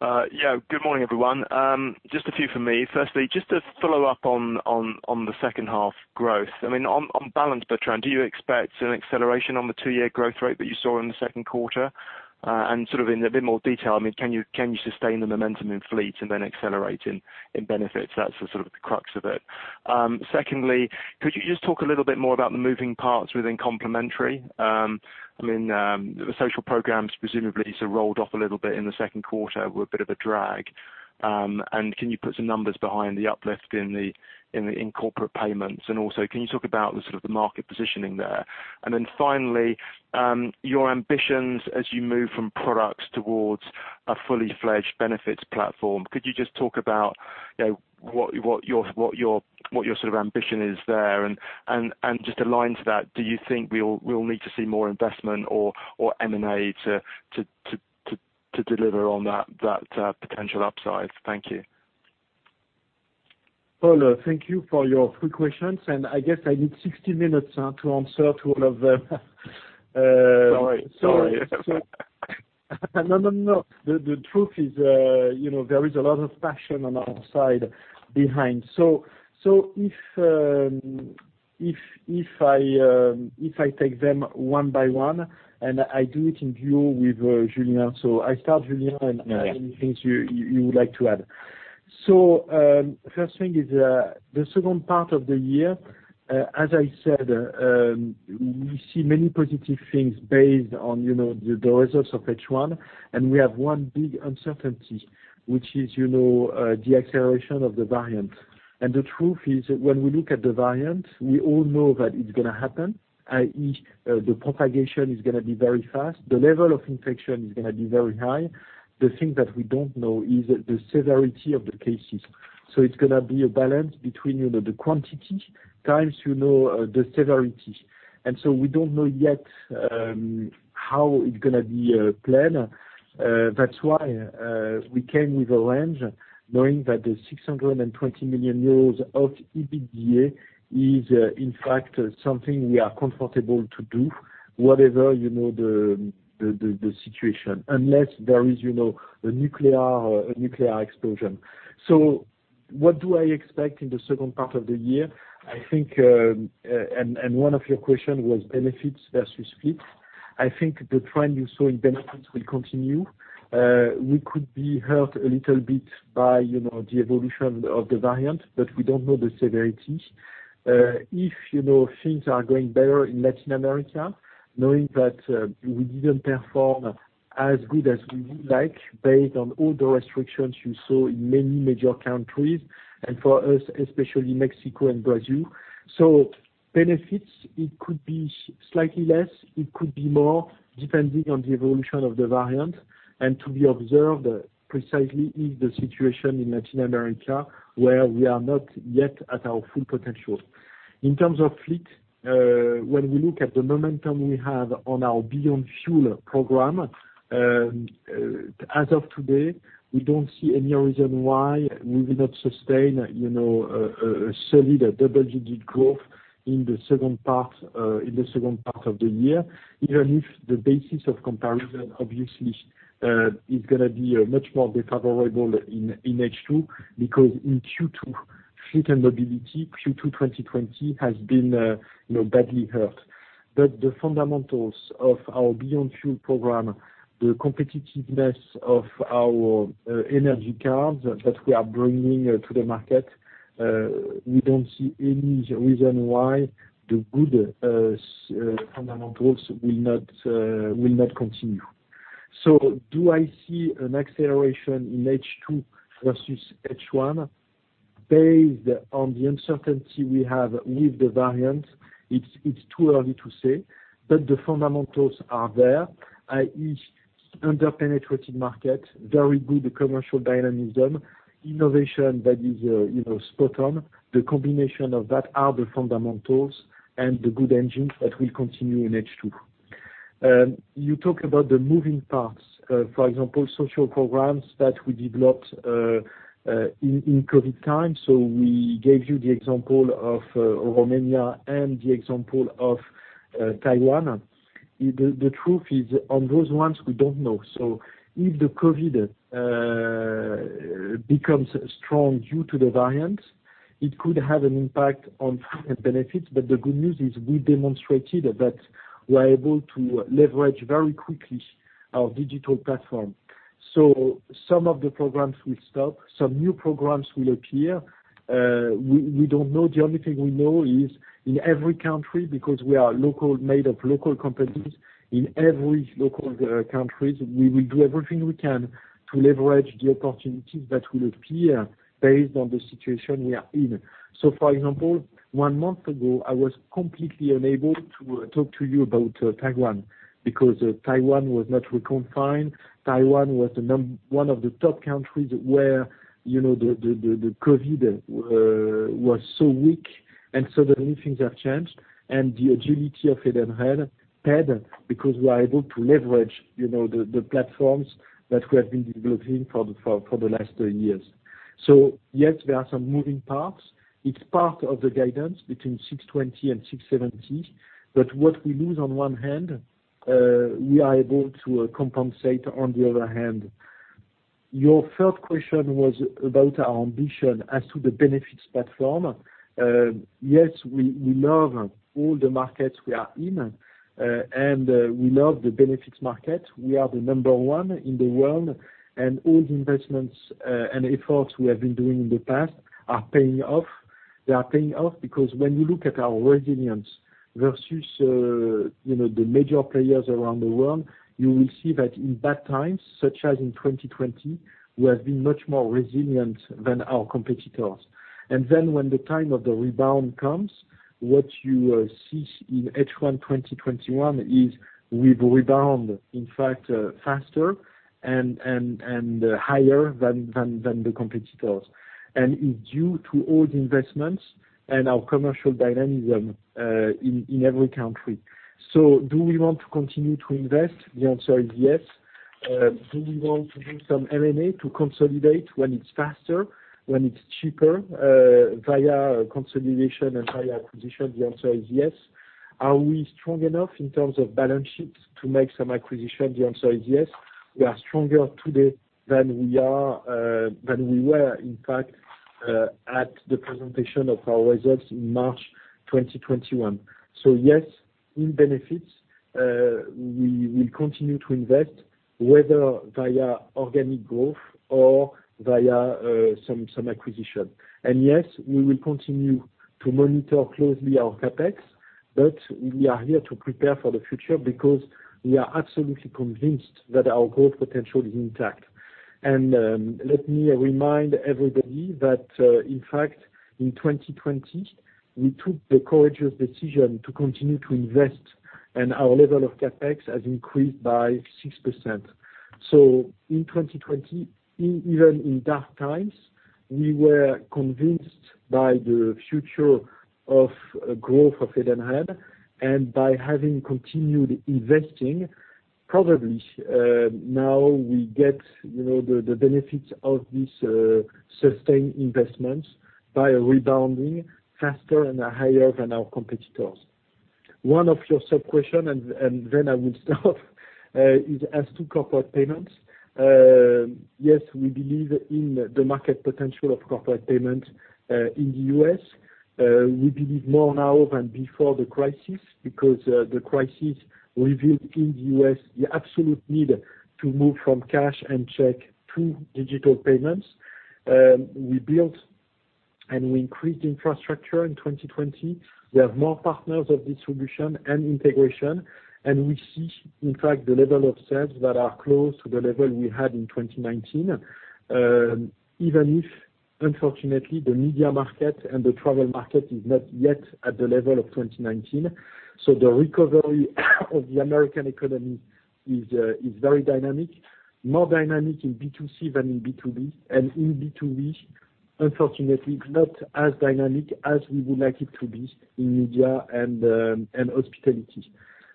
Yeah. Good morning, everyone. Just a few from me. Firstly, just to follow up on the second half growth. On balance, Bertrand, do you expect an acceleration on the two year growth rate that you saw in the second quarter? Sort of in a bit more detail, can you sustain the momentum in fleet and then accelerate in benefits? That's the sort of the crux of it. Secondly, could you just talk a little bit more about the moving parts within complementary? The social programs presumably sort of rolled off a little bit in the second quarter were a bit of a drag. Can you put some numbers behind the uplift in corporate payments? Also, can you talk about the sort of the market positioning there? Finally, your ambitions as you move from products towards a fully fledged benefits platform, could you just talk about what your sort of ambition is there? Just aligned to that, do you think we'll need to see more investment or M&A to deliver on that potential upside? Thank you. Paul, thank you for your 3 questions, and I guess I need 60 minutes to answer to all of them. Sorry. No. The truth is there is a lot of passion on our side behind. If I take them one by one, and I do it in duo with Julien. I start, Julien. Yeah Any things you would like to add. First thing is the second part of the year, as I said, we see many positive things based on the results of H1, and we have one big uncertainty, which is the acceleration of the variant. The truth is when we look at the variant, we all know that it's going to happen, i.e., the propagation is going to be very fast, the level of infection is going to be very high. The thing that we don't know is the severity of the cases. It's going to be a balance between the quantity times the severity. We don't know yet how it's going to be played. That's why we came with a range, knowing that the 620 million euros of EBITDA is in fact something we are comfortable to do, whatever the situation, unless there is a nuclear explosion. What do I expect in the second part of the year? One of your question was benefits versus fleet. I think the trend you saw in benefits will continue. We could be hurt a little bit by the evolution of the variant, but we don't know the severity. If things are going better in Latin America, knowing that we didn't perform as good as we would like based on all the restrictions you saw in many major countries, and for us, especially Mexico and Brazil. Benefits, it could be slightly less, it could be more, depending on the evolution of the variant. To be observed precisely is the situation in Latin America, where we are not yet at our full potential. In terms of fleet, when we look at the momentum we have on our Beyond Fuel program, as of today, we don't see any reason why we will not sustain a solid double-digit growth in the second part of the year. Even if the basis of comparison, obviously, is going to be much more favorable in H2, because in Q2, Fleet and Mobility, Q2 2020 has been badly hurt. The fundamentals of our Beyond Fuel program, the competitiveness of our energy cards that we are bringing to the market, we don't see any reason why the good fundamentals will not continue. Do I see an acceleration in H2 versus H1? Based on the uncertainty we have with the variants, it's too early to say. The fundamentals are there, i.e., under-penetrated market, very good commercial dynamism, innovation that is spot on. The combination of that are the fundamentals and the good engines that will continue in H2. You talk about the moving parts, for example, social programs that we developed in COVID time. We gave you the example of Romania and the example of Taiwan. The truth is, on those ones, we don't know. If the COVID becomes strong due to the variants, it could have an impact on benefits. The good news is we demonstrated that we are able to leverage very quickly our digital platform. Some of the programs will stop. Some new programs will appear. We don't know. The only thing we know is in every country, because we are made of local companies, in every local country, we will do everything we can to leverage the opportunities that will appear based on the situation we are in. For example, one month ago, I was completely unable to talk to you about Taiwan because Taiwan was not reconfined. Taiwan was one of the top countries where the COVID was so weak, and so many things have changed. The agility of Edenred helped because we are able to leverage the platforms that we have been developing for the last years. Yes, there are some moving parts. It's part of the guidance between 620 and 670. What we lose on one hand, we are able to compensate on the other hand. Your third question was about our ambition as to the benefits platform. Yes, we love all the markets we are in, and we love the benefits market. We are the number one in the world, and all the investments and efforts we have been doing in the past are paying off. They are paying off because when you look at our resilience versus the major players around the world, you will see that in bad times, such as in 2020, we have been much more resilient than our competitors. When the time of the rebound comes, what you see in H1 2021 is we've rebound, in fact, faster and higher than the competitors. It's due to all the investments and our commercial dynamism in every country. Do we want to continue to invest? The answer is yes. Do we want to do some M&A to consolidate when it's faster, when it's cheaper via consolidation and via acquisition? The answer is yes. Are we strong enough in terms of balance sheets to make some acquisition? The answer is yes. We are stronger today than we were, in fact, at the presentation of our results in March 2021. Yes, in benefits, we will continue to invest, whether via organic growth or via some acquisition. Yes, we will continue to monitor closely our CapEx, but we are here to prepare for the future because we are absolutely convinced that our growth potential is intact. Let me remind everybody that, in fact, in 2020, we took the courageous decision to continue to invest, and our level of CapEx has increased by 6%. In 2020, even in dark times, we were convinced by the future of growth of Edenred, and by having continued investing, probably now we get the benefits of this sustained investment by rebounding faster and higher than our competitors. One of your sub-questions, and then I will stop is as to corporate payments. Yes, we believe in the market potential of corporate payment in the U.S. We believe more now than before the crisis, because the crisis revealed in the U.S. the absolute need to move from cash and check to digital payments. We built and we increased infrastructure in 2020. We have more partners of distribution and integration, and we see, in fact, the level of sales that are close to the level we had in 2019, even if, unfortunately, the media market and the travel market is not yet at the level of 2019. The recovery of the American economy is very dynamic, more dynamic in B2C than in B2B. And in B2B, unfortunately, not as dynamic as we would like it to be in media and hospitality.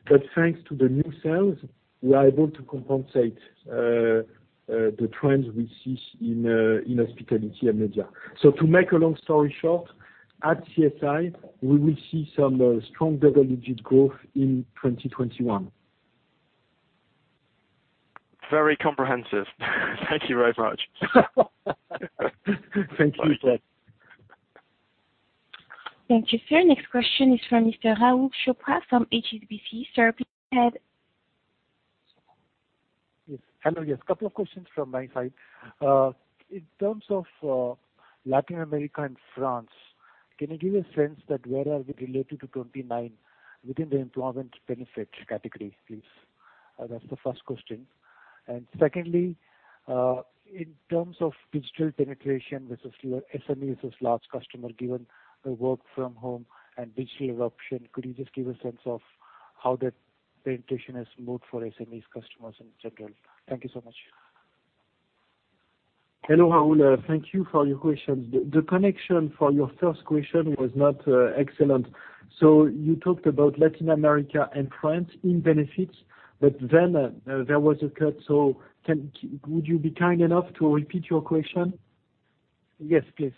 But thanks to the new sales, we are able to compensate the trends we see in hospitality and media. To make a long story short, at CSI, we will see some strong double-digit growth in 2021. Very comprehensive. Thank you very much. Thank you, bro. Thank you, sir. Next question is from Mr. Rahul Chopra from HSBC. Sir, please go ahead. Yes. Hello. Yes, couple of questions from my side. In terms of Latin America and France, can you give a sense that where are we related to 29 within the employment benefit category, please? That's the first question. Secondly, in terms of digital penetration versus your SMEs versus large customer, given the work from home and digital option, could you just give a sense of how that penetration has moved for SMEs customers in general? Thank you so much. Hello, Rahul. Thank you for your questions. The connection for your first question was not excellent. You talked about Latin America and France in benefits. There was a cut. Would you be kind enough to repeat your question? Yes, please.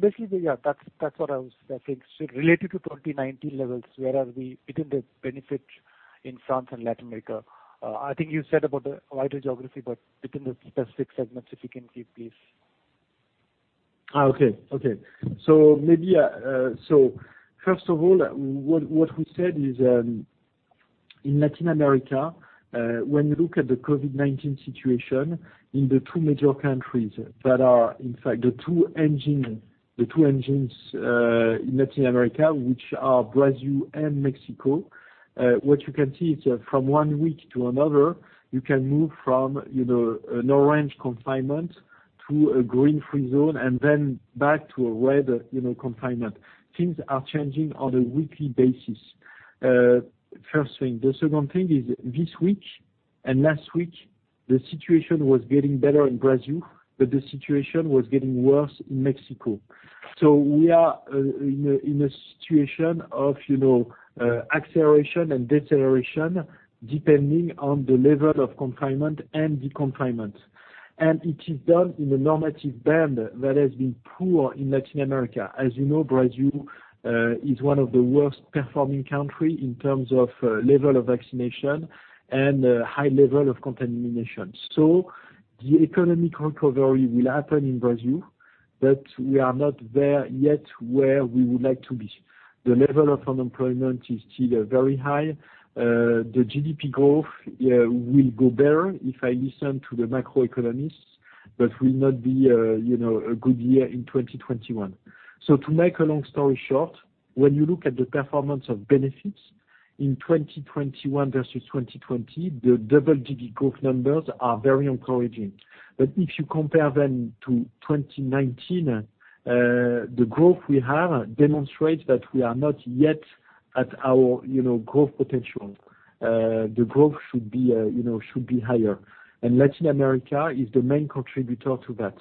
Basically, yeah, that's what I was saying. Related to 2019 levels, where are we between the benefits in France and Latin America? I think you said about the wider geography, but within the specific segments, if you can give, please. First of all, what we said is, in Latin America, when you look at the COVID-19 situation in the two major countries that are, in fact, the two engines in Latin America, which are Brazil and Mexico, what you can see is from one week to another, you can move from an orange confinement to a green free zone and then back to a red confinement. Things are changing on a weekly basis. First thing. The second thing is this week and last week, the situation was getting better in Brazil, but the situation was getting worse in Mexico. We are in a situation of acceleration and deceleration depending on the level of confinement and de-confinement. It is done in a normative band that has been poor in Latin America. As you know, Brazil is one of the worst performing country in terms of level of vaccination and high level of contamination. The economic recovery will happen in Brazil, but we are not there yet where we would like to be. The level of unemployment is still very high. The GDP growth will go better if I listen to the macroeconomists, but will not be a good year in 2021. To make a long story short, when you look at the performance of benefits in 2021 versus 2020, the double-digit growth numbers are very encouraging. If you compare them to 2019, the growth we have demonstrates that we are not yet at our growth potential. The growth should be higher, and Latin America is the main contributor to that.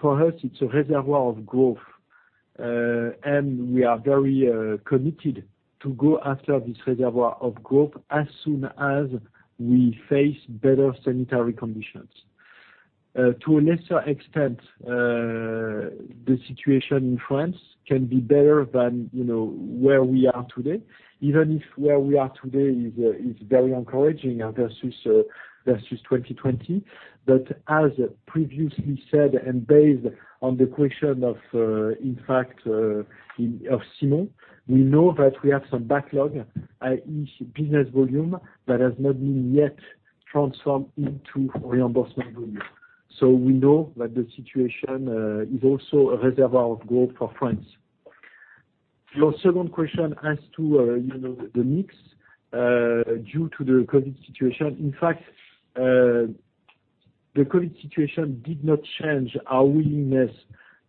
For us, it's a reservoir of growth. We are very committed to go after this reservoir of growth as soon as we face better sanitary conditions. To a lesser extent, the situation in France can be better than where we are today, even if where we are today is very encouraging versus 2020. As previously said, and based on the question of, in fact, of Simon, we know that we have some backlog, i.e., business volume that has not been yet transformed into reimbursement volume. We know that the situation is also a reservoir of growth for France. Your second question as to the mix due to the COVID situation. In fact, the COVID situation did not change our willingness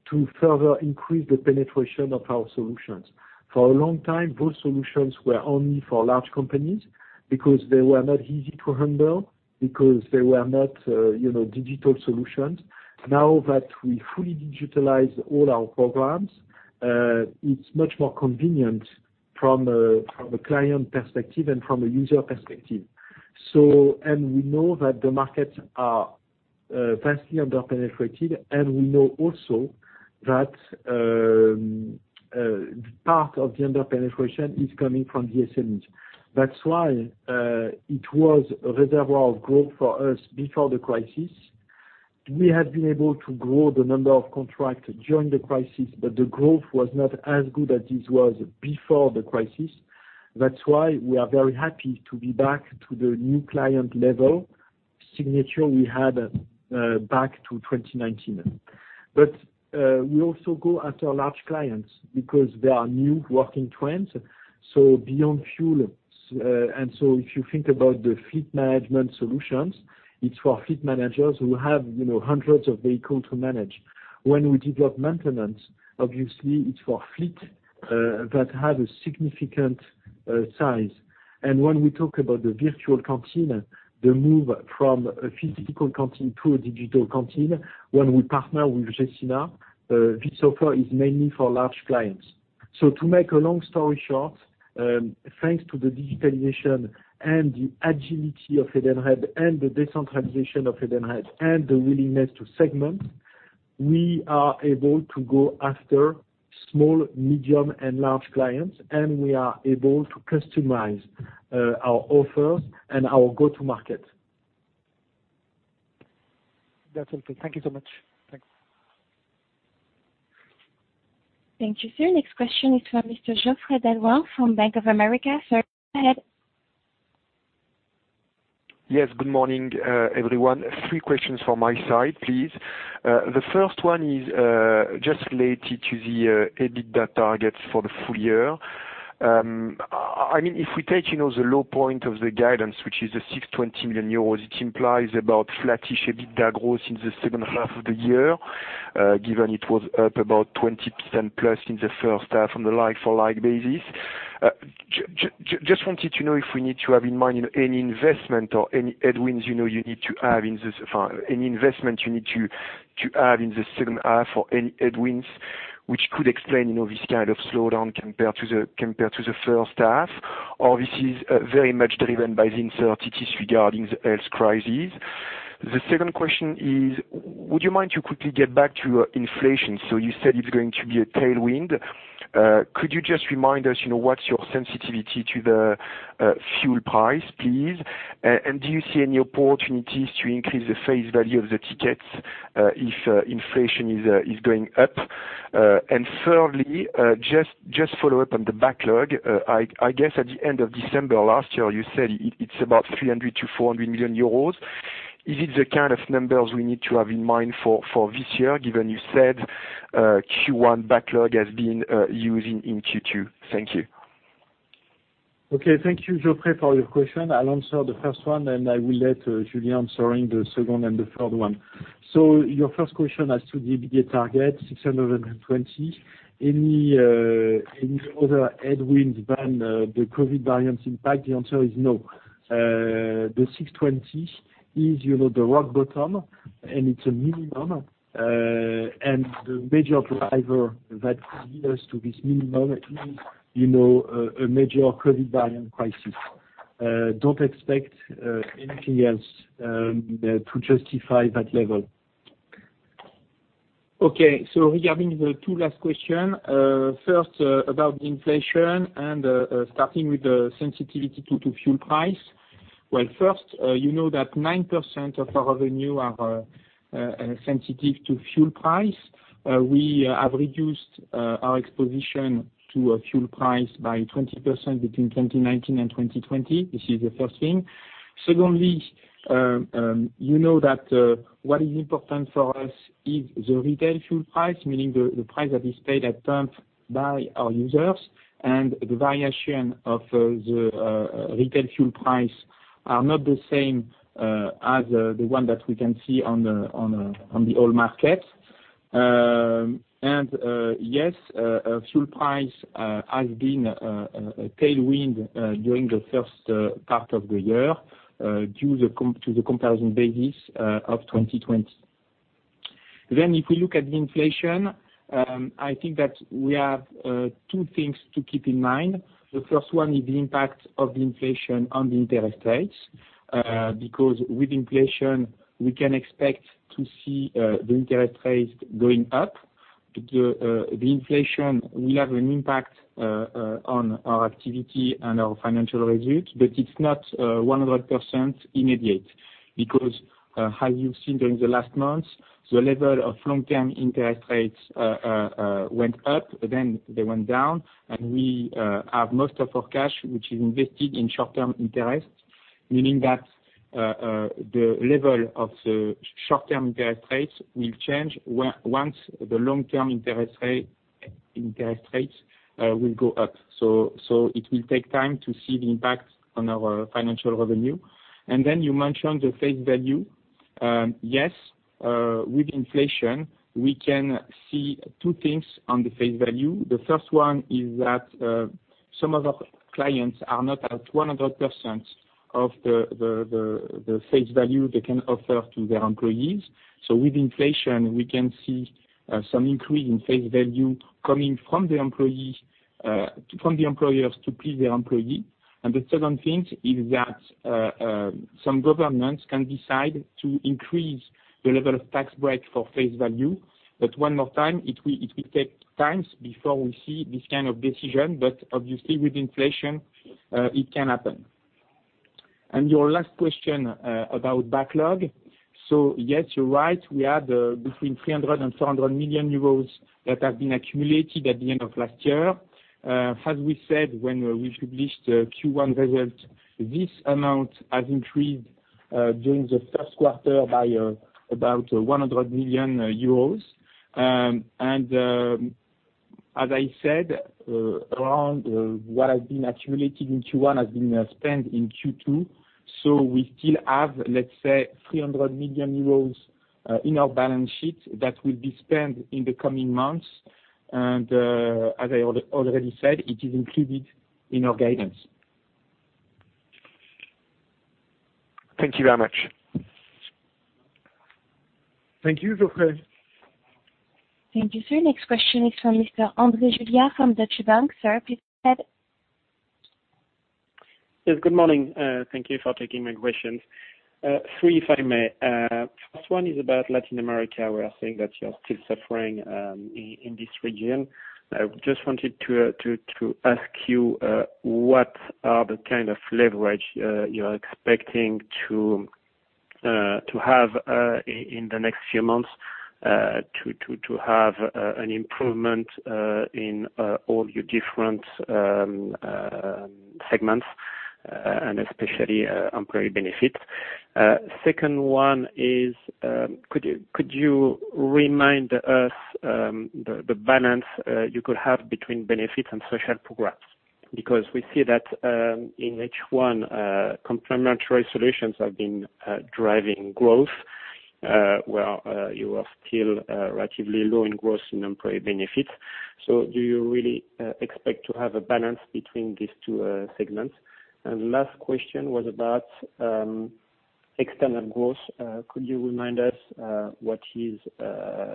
to further increase the penetration of our solutions. For a long time, those solutions were only for large companies because they were not easy to handle, because they were not digital solutions. Now that we fully digitize all our programs, it's much more convenient from a client perspective and from a user perspective. We know that the markets are vastly under-penetrated, and we know also that part of the under-penetration is coming from the SMEs. That's why it was a reservoir of growth for us before the crisis. We have been able to grow the number of contracts during the crisis, but the growth was not as good as it was before the crisis. That's why we are very happy to be back to the new client level signature we had back to 2019. We also go after large clients because there are new working trends, so Beyond Fuel. If you think about the fleet management solutions, it's for fleet managers who have hundreds of vehicles to manage. When we develop maintenance, obviously it is for fleet that have a significant size. When we talk about the virtual canteen, the move from a physical canteen to a digital canteen, when we partner with Gecina, so far is mainly for large clients. To make a long story short, thanks to the digitalization and the agility of Edenred and the decentralization of Edenred and the willingness to segment, we are able to go after small, medium, and large clients, and we are able to customize our offers and our go-to market. That's all. Thank you so much. Thanks. Thank you, sir. Next question is from Mr. Geoffrey d'Halluin from Bank of America. Sir, go ahead. Yes, good morning, everyone. Three questions from my side, please. The first one is just related to the EBITDA targets for the full year. If we take the low point of the guidance, which is the 620 million euros, it implies about flattish EBITDA growth in the first half of the year, given it was up about 20%+ in the first half on the like-for-like basis. Just wanted to know if we need to have in mind any investment or any headwinds you need to add in the second half or any headwinds which could explain this kind of slowdown compared to the first half, or this is very much driven by the uncertainties regarding the health crisis. The second question is, would you mind to quickly get back to inflation? You said it's going to be a tailwind. Could you just remind us what's your sensitivity to the fuel price, please? Do you see any opportunities to increase the face value of the tickets if inflation is going up? Thirdly, just follow up on the backlog. I guess at the end of December last year, you said it's about 300 million-400 million euros. Is it the kind of numbers we need to have in mind for this year, given you said Q1 backlog has been used in Q2? Thank you. Thank you, Geoffrey, for your question. I'll answer the first one, and I will let Julien answer the second and the third one. Your first question as to the EBITDA target, 620. Any other headwinds than the COVID variant impact? The answer is no. The 620 is the rock bottom, and it's a minimum. The major driver that lead us to this minimum is a major COVID variant crisis. Don't expect anything else to justify that level. Regarding the two last question, first about inflation and starting with the sensitivity to fuel price. Well, first, you know that 9% of our revenue are sensitive to fuel price. We have reduced our exposition to a fuel price by 20% between 2019 and 2020. This is the first thing. Secondly, you know that what is important for us is the retail fuel price, meaning the price that is paid at pump by our users. The variation of the retail fuel price are not the same as the one that we can see on the oil market. Yes, fuel price has been a tailwind during the first part of the year, due to the comparison basis of 2020. If we look at the inflation, I think that we have two things to keep in mind. The first one is the impact of the inflation on the interest rates, because with inflation, we can expect to see the interest rates going up. The inflation will have an impact on our activity and our financial results, but it's not 100% immediate because, as you've seen during the last months, the level of long-term interest rates went up, then they went down, and we have most of our cash, which is invested in short-term interest, meaning that the level of the short-term interest rates will change once the long-term interest rates will go up. It will take time to see the impact on our financial revenue. You mentioned the face value. Yes, with inflation, we can see two things on the face value. The first one is that some of our clients are not at 100% of the face value they can offer to their employees. With inflation, we can see some increase in face value coming from the employers to please their employee. The second thing is that some governments can decide to increase the level of tax break for face value. One more time, it will take time before we see this kind of decision. Obviously with inflation, it can happen. Your last question about backlog. Yes, you're right. We had between 300 million euros and 400 million euros that have been accumulated at the end of last year. As we said when we published the Q1 results, this amount has increased during the first quarter by about 100 million euros. As I said, around what has been accumulated in Q1 has been spent in Q2. We still have, let's say, 300 million euros in our balance sheet that will be spent in the coming months. As I already said, it is included in our guidance. Thank you very much. Thank you, Geoffrey. Thank you, sir. Next question is from Mr. Andre Julia from Deutsche Bank. Sir, please go ahead. Yes, good morning. Thank you for taking my questions. Three, if I may. First one is about Latin America, where I think that you're still suffering in this region. I just wanted to ask you, what are the kind of leverage you are expecting to have in the next few months to have an improvement in all your different segments, and especially employee benefits? Second one is, could you remind us the balance you could have between benefits and social programs? Because we see that in H1, Complementary Solutions have been driving growth, where you are still relatively low in gross in employee benefits. Do you really expect to have a balance between these two segments? The last question was about external growth. Could you remind us what is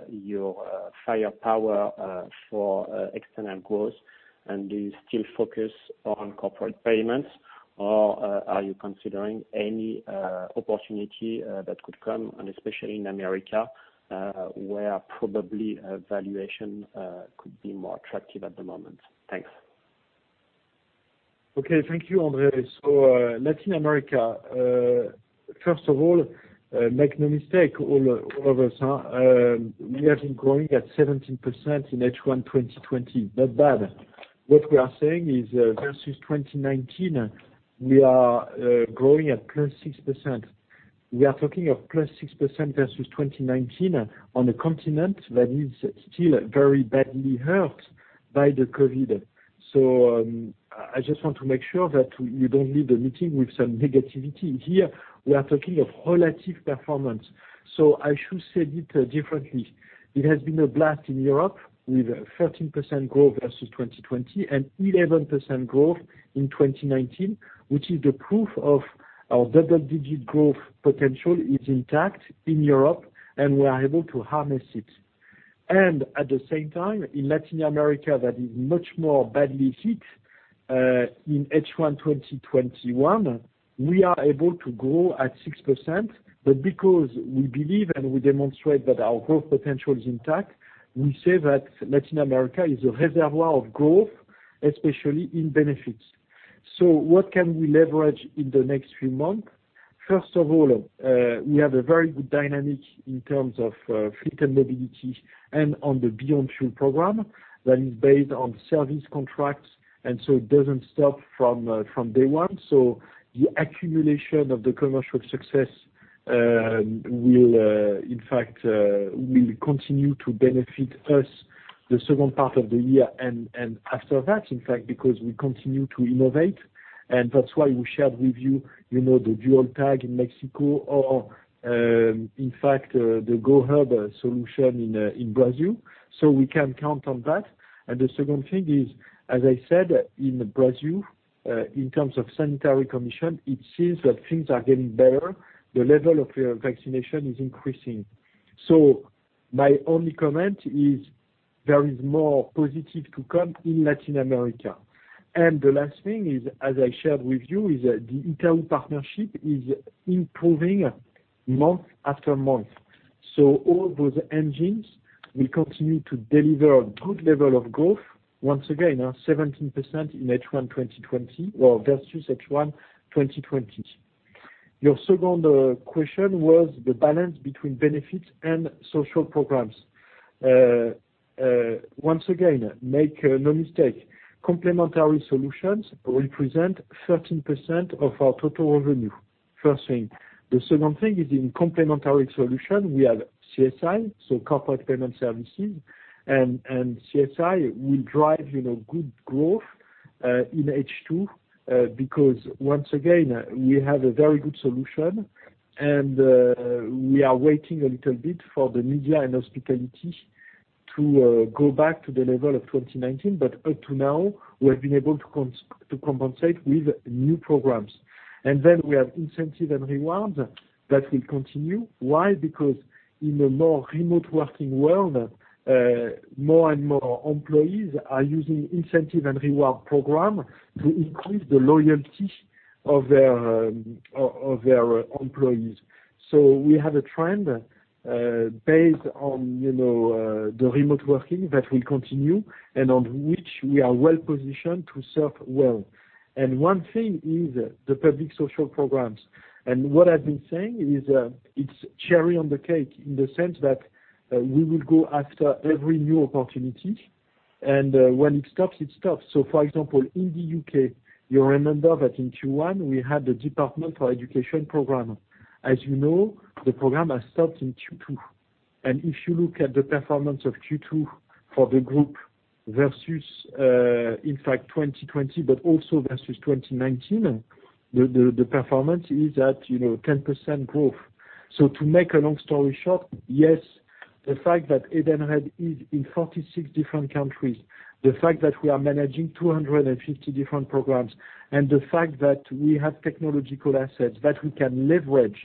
your firepower for external growth, and do you still focus on corporate payments, or are you considering any opportunity that could come? Especially in America, where probably valuation could be more attractive at the moment. Thanks. Thank you, Andre. Latin America, first of all, make no mistake, all of us, we have been growing at 17% in H1 2020. Not bad. What we are saying is versus 2019, we are growing at +6%. We are talking of +6% versus 2019 on a continent that is still very badly hurt by the COVID. I just want to make sure that you don't leave the meeting with some negativity. Here, we are talking of relative performance. I should say it differently. It has been a blast in Europe with 13% growth versus 2020 and 11% growth in 2019, which is the proof of our double-digit growth potential is intact in Europe, and we are able to harness it. At the same time, in Latin America, that is much more badly hit, in H1 2021, we are able to grow at 6%. Because we believe and we demonstrate that our growth potential is intact, we say that Latin America is a reservoir of growth, especially in benefits. What can we leverage in the next few months? First of all, we have a very good dynamic in terms of Fleet and Mobility and on the Beyond Fuel program that is based on service contracts, and so it doesn't stop from day one. The accumulation of the commercial success will continue to benefit us the second part of the year and after that, in fact, because we continue to innovate. That's why we shared with you the dual tag in Mexico or, in fact, the GoHub solution in Brazil. We can count on that. The second thing is, as I said, in Brazil, in terms of sanitary condition, it seems that things are getting better. My only comment is there is more positive to come in Latin America. The last thing is, as I shared with you, is the Itaú partnership is improving month after month. All those engines will continue to deliver a good level of growth. Once again, 17% in H1 2020, well, versus H1 2020. Your second question was the balance between benefits and social programs. Once again, make no mistake. Complementary Solutions represent 13% of our total revenue. First thing. The second thing is in complementary solutions, we have CSI, so Corporate Payment Services. CSI will drive good growth in H2, because once again, we have a very good solution, and we are waiting a little bit for the media and hospitality to go back to the level of 2019. Up to now, we have been able to compensate with new programs. We have incentive and rewards. That will continue. Why? Because in a more remote working world, more and more employees are using incentive and reward program to increase the loyalty of their employees. We have a trend based on the remote working that will continue and on which we are well-positioned to serve well. One thing is the public social programs. What I've been saying is it's cherry on the cake in the sense that we will go after every new opportunity, and when it stops, it stops. For example, in the U.K., you remember that in Q1, we had the Department for Education program. As you know, the program has stopped in Q2. If you look at the performance of Q2 for the group versus, in fact, 2020, but also versus 2019, the performance is at 10% growth. To make a long story short, yes, the fact that Edenred is in 46 different countries, the fact that we are managing 250 different programs, and the fact that we have technological assets that we can leverage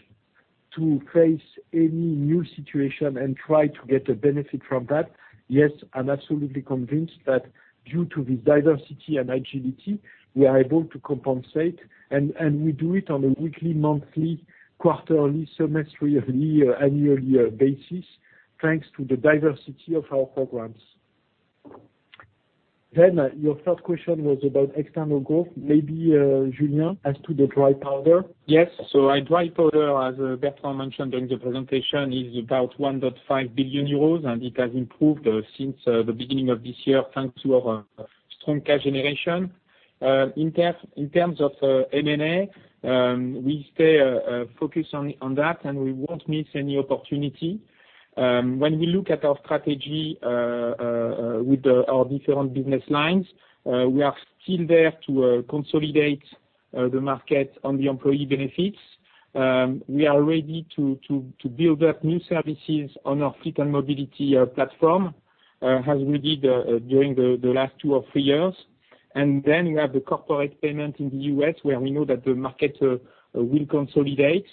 to face any new situation and try to get a benefit from that. Yes, I'm absolutely convinced that due to this diversity and agility, we are able to compensate, and we do it on a weekly, monthly, quarterly, semestrially, yearly basis, thanks to the diversity of our programs. Your third question was about external growth, maybe Julien has to the dry powder. Yes. Dry powder, as Bertrand mentioned during the presentation, is about 1.5 billion euros, and it has improved since the beginning of this year thanks to our strong cash generation. In terms of M&A, we stay focused on that, and we won't miss any opportunity. When we look at our strategy with our different business lines, we are still there to consolidate the market on the employee benefits. We are ready to build up new services on our fleet and mobility platform, as we did during the last two or three years. We have the Corporate Payment in the U.S., where we know that the market will consolidate.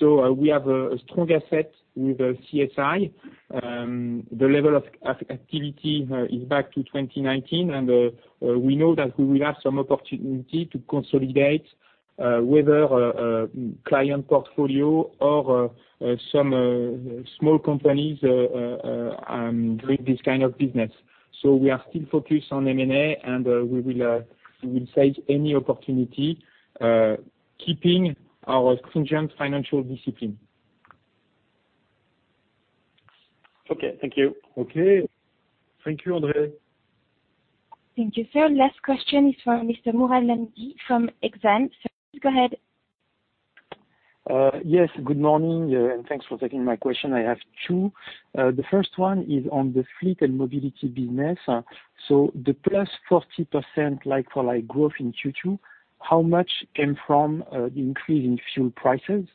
We have a strong asset with CSI. The level of activity is back to 2019, and we know that we will have some opportunity to consolidate, whether a client portfolio or some small companies doing this kind of business. We are still focused on M&A, and we will take any opportunity, keeping our stringent financial discipline. Okay. Thank you, Andre. Thank you, sir. Last question is from Mr. Mourad Lahmidi from Exane. Sir, please go ahead. Good morning and thanks for taking my question. I have two. The first one is on the fleet and mobility business. The +40% like-for-like growth in Q2, how much came from the increase in fuel prices?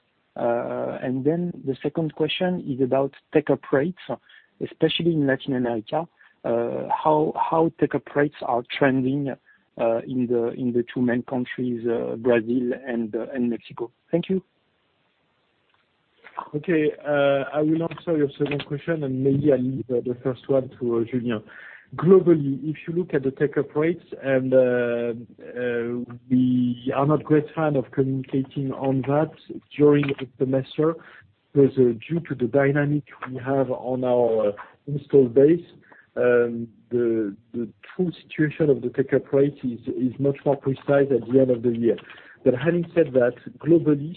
Then the second question is about take-up rate, especially in Latin America, how take-up rate are trending in the two main countries, Brazil and Mexico. Thank you. Okay. I will answer your second question, and maybe I'll leave the first one to Julien. Globally, if you look at the take-up rate, and we are not great fan of communicating on that during the semester, because due to the dynamic we have on our installed base, the true situation of the take-up rate is much more precise at the end of the year. Having said that, globally,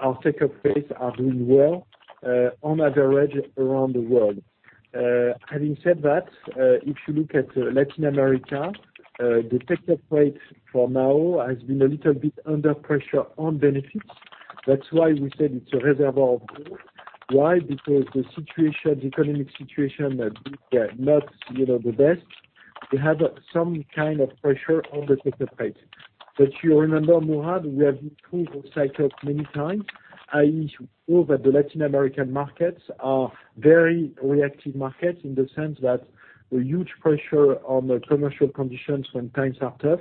our take-up rate are doing well on average around the world. Having said that, if you look at Latin America, the take-up rate for now has been a little bit under pressure on benefits. That's why we said it's a reservoir of growth. Why? Because the economic situation is not the best. We have some kind of pressure on the take-up rate. You remember, Mourad, we have been through this cycle many times. I prove that the Latin American markets are very reactive markets in the sense that a huge pressure on the commercial conditions when times are tough.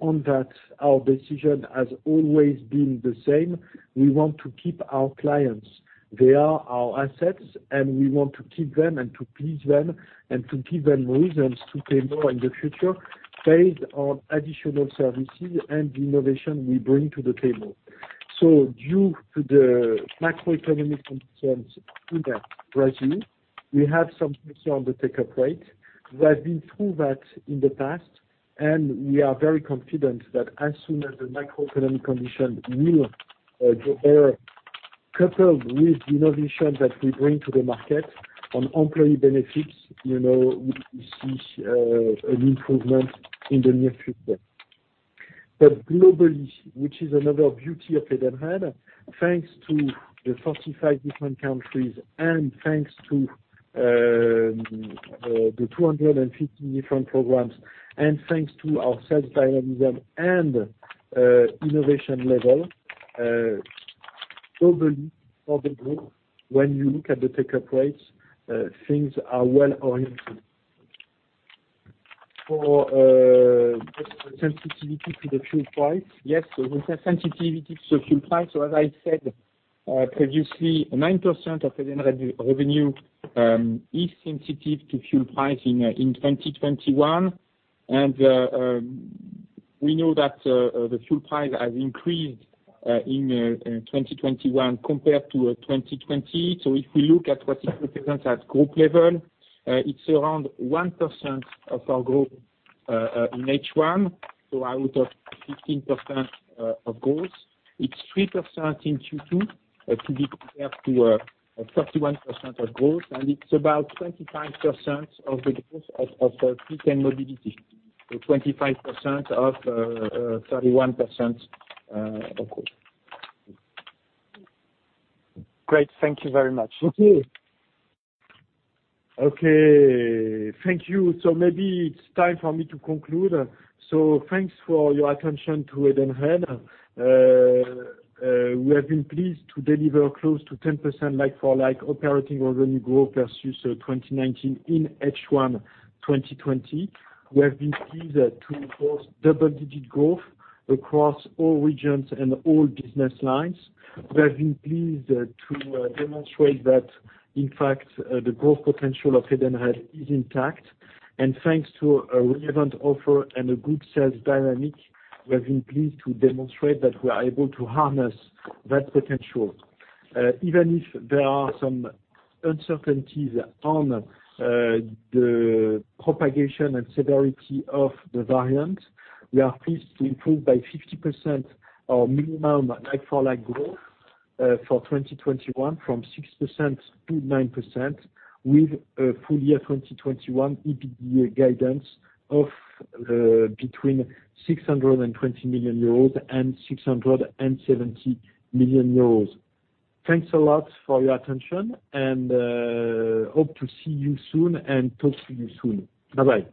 On that, our decision has always been the same. We want to keep our clients. They are our assets, and we want to keep them and to please them and to give them reasons to pay more in the future based on additional services and the innovation we bring to the table. Due to the macroeconomic concerns in Brazil, we have some pressure on the take-up rate. We have been through that in the past, and we are very confident that as soon as the macroeconomic condition will get better, coupled with the innovation that we bring to the market on employee benefits, we see an improvement in the near future. Globally, which is another beauty of Edenred, thanks to the 45 different countries and thanks to the 250 different programs, and thanks to our sales dynamism and innovation level, globally for the group, when you look at the take-up rate, things are well oriented. For just the sensitivity to the fuel price. Yes. We have sensitivity to fuel price. As I said previously, 9% of Edenred revenue is sensitive to fuel price in 2021. We know that the fuel price has increased in 2021 compared to 2020. If we look at what it represents at group level, it's around 1% of our growth in H1. Out of 15% of growth, it's 3% in Q2 to be compared to a 31% of growth. It's about 25% of the growth of fleet and mobility. 25% of 31% of growth. Great. Thank you very much. Okay. Thank you. Maybe it's time for me to conclude. Thanks for your attention to Edenred. We have been pleased to deliver close to 10% like-for-like operating revenue growth versus 2019 in H1 2020. We have been pleased to post double-digit growth across all regions and all business lines. We have been pleased to demonstrate that, in fact, the growth potential of Edenred is intact. Thanks to a relevant offer and a good sales dynamic, we have been pleased to demonstrate that we are able to harness that potential. Even if there are some uncertainties on the propagation and severity of the variant, we are pleased to improve by 50% our minimum like-for-like growth for 2021 from 6% to 9%, with a full year 2021 EBITDA guidance of between 620 million euros and 670 million euros. Thanks a lot for your attention. Hope to see you soon and talk to you soon. Bye-bye.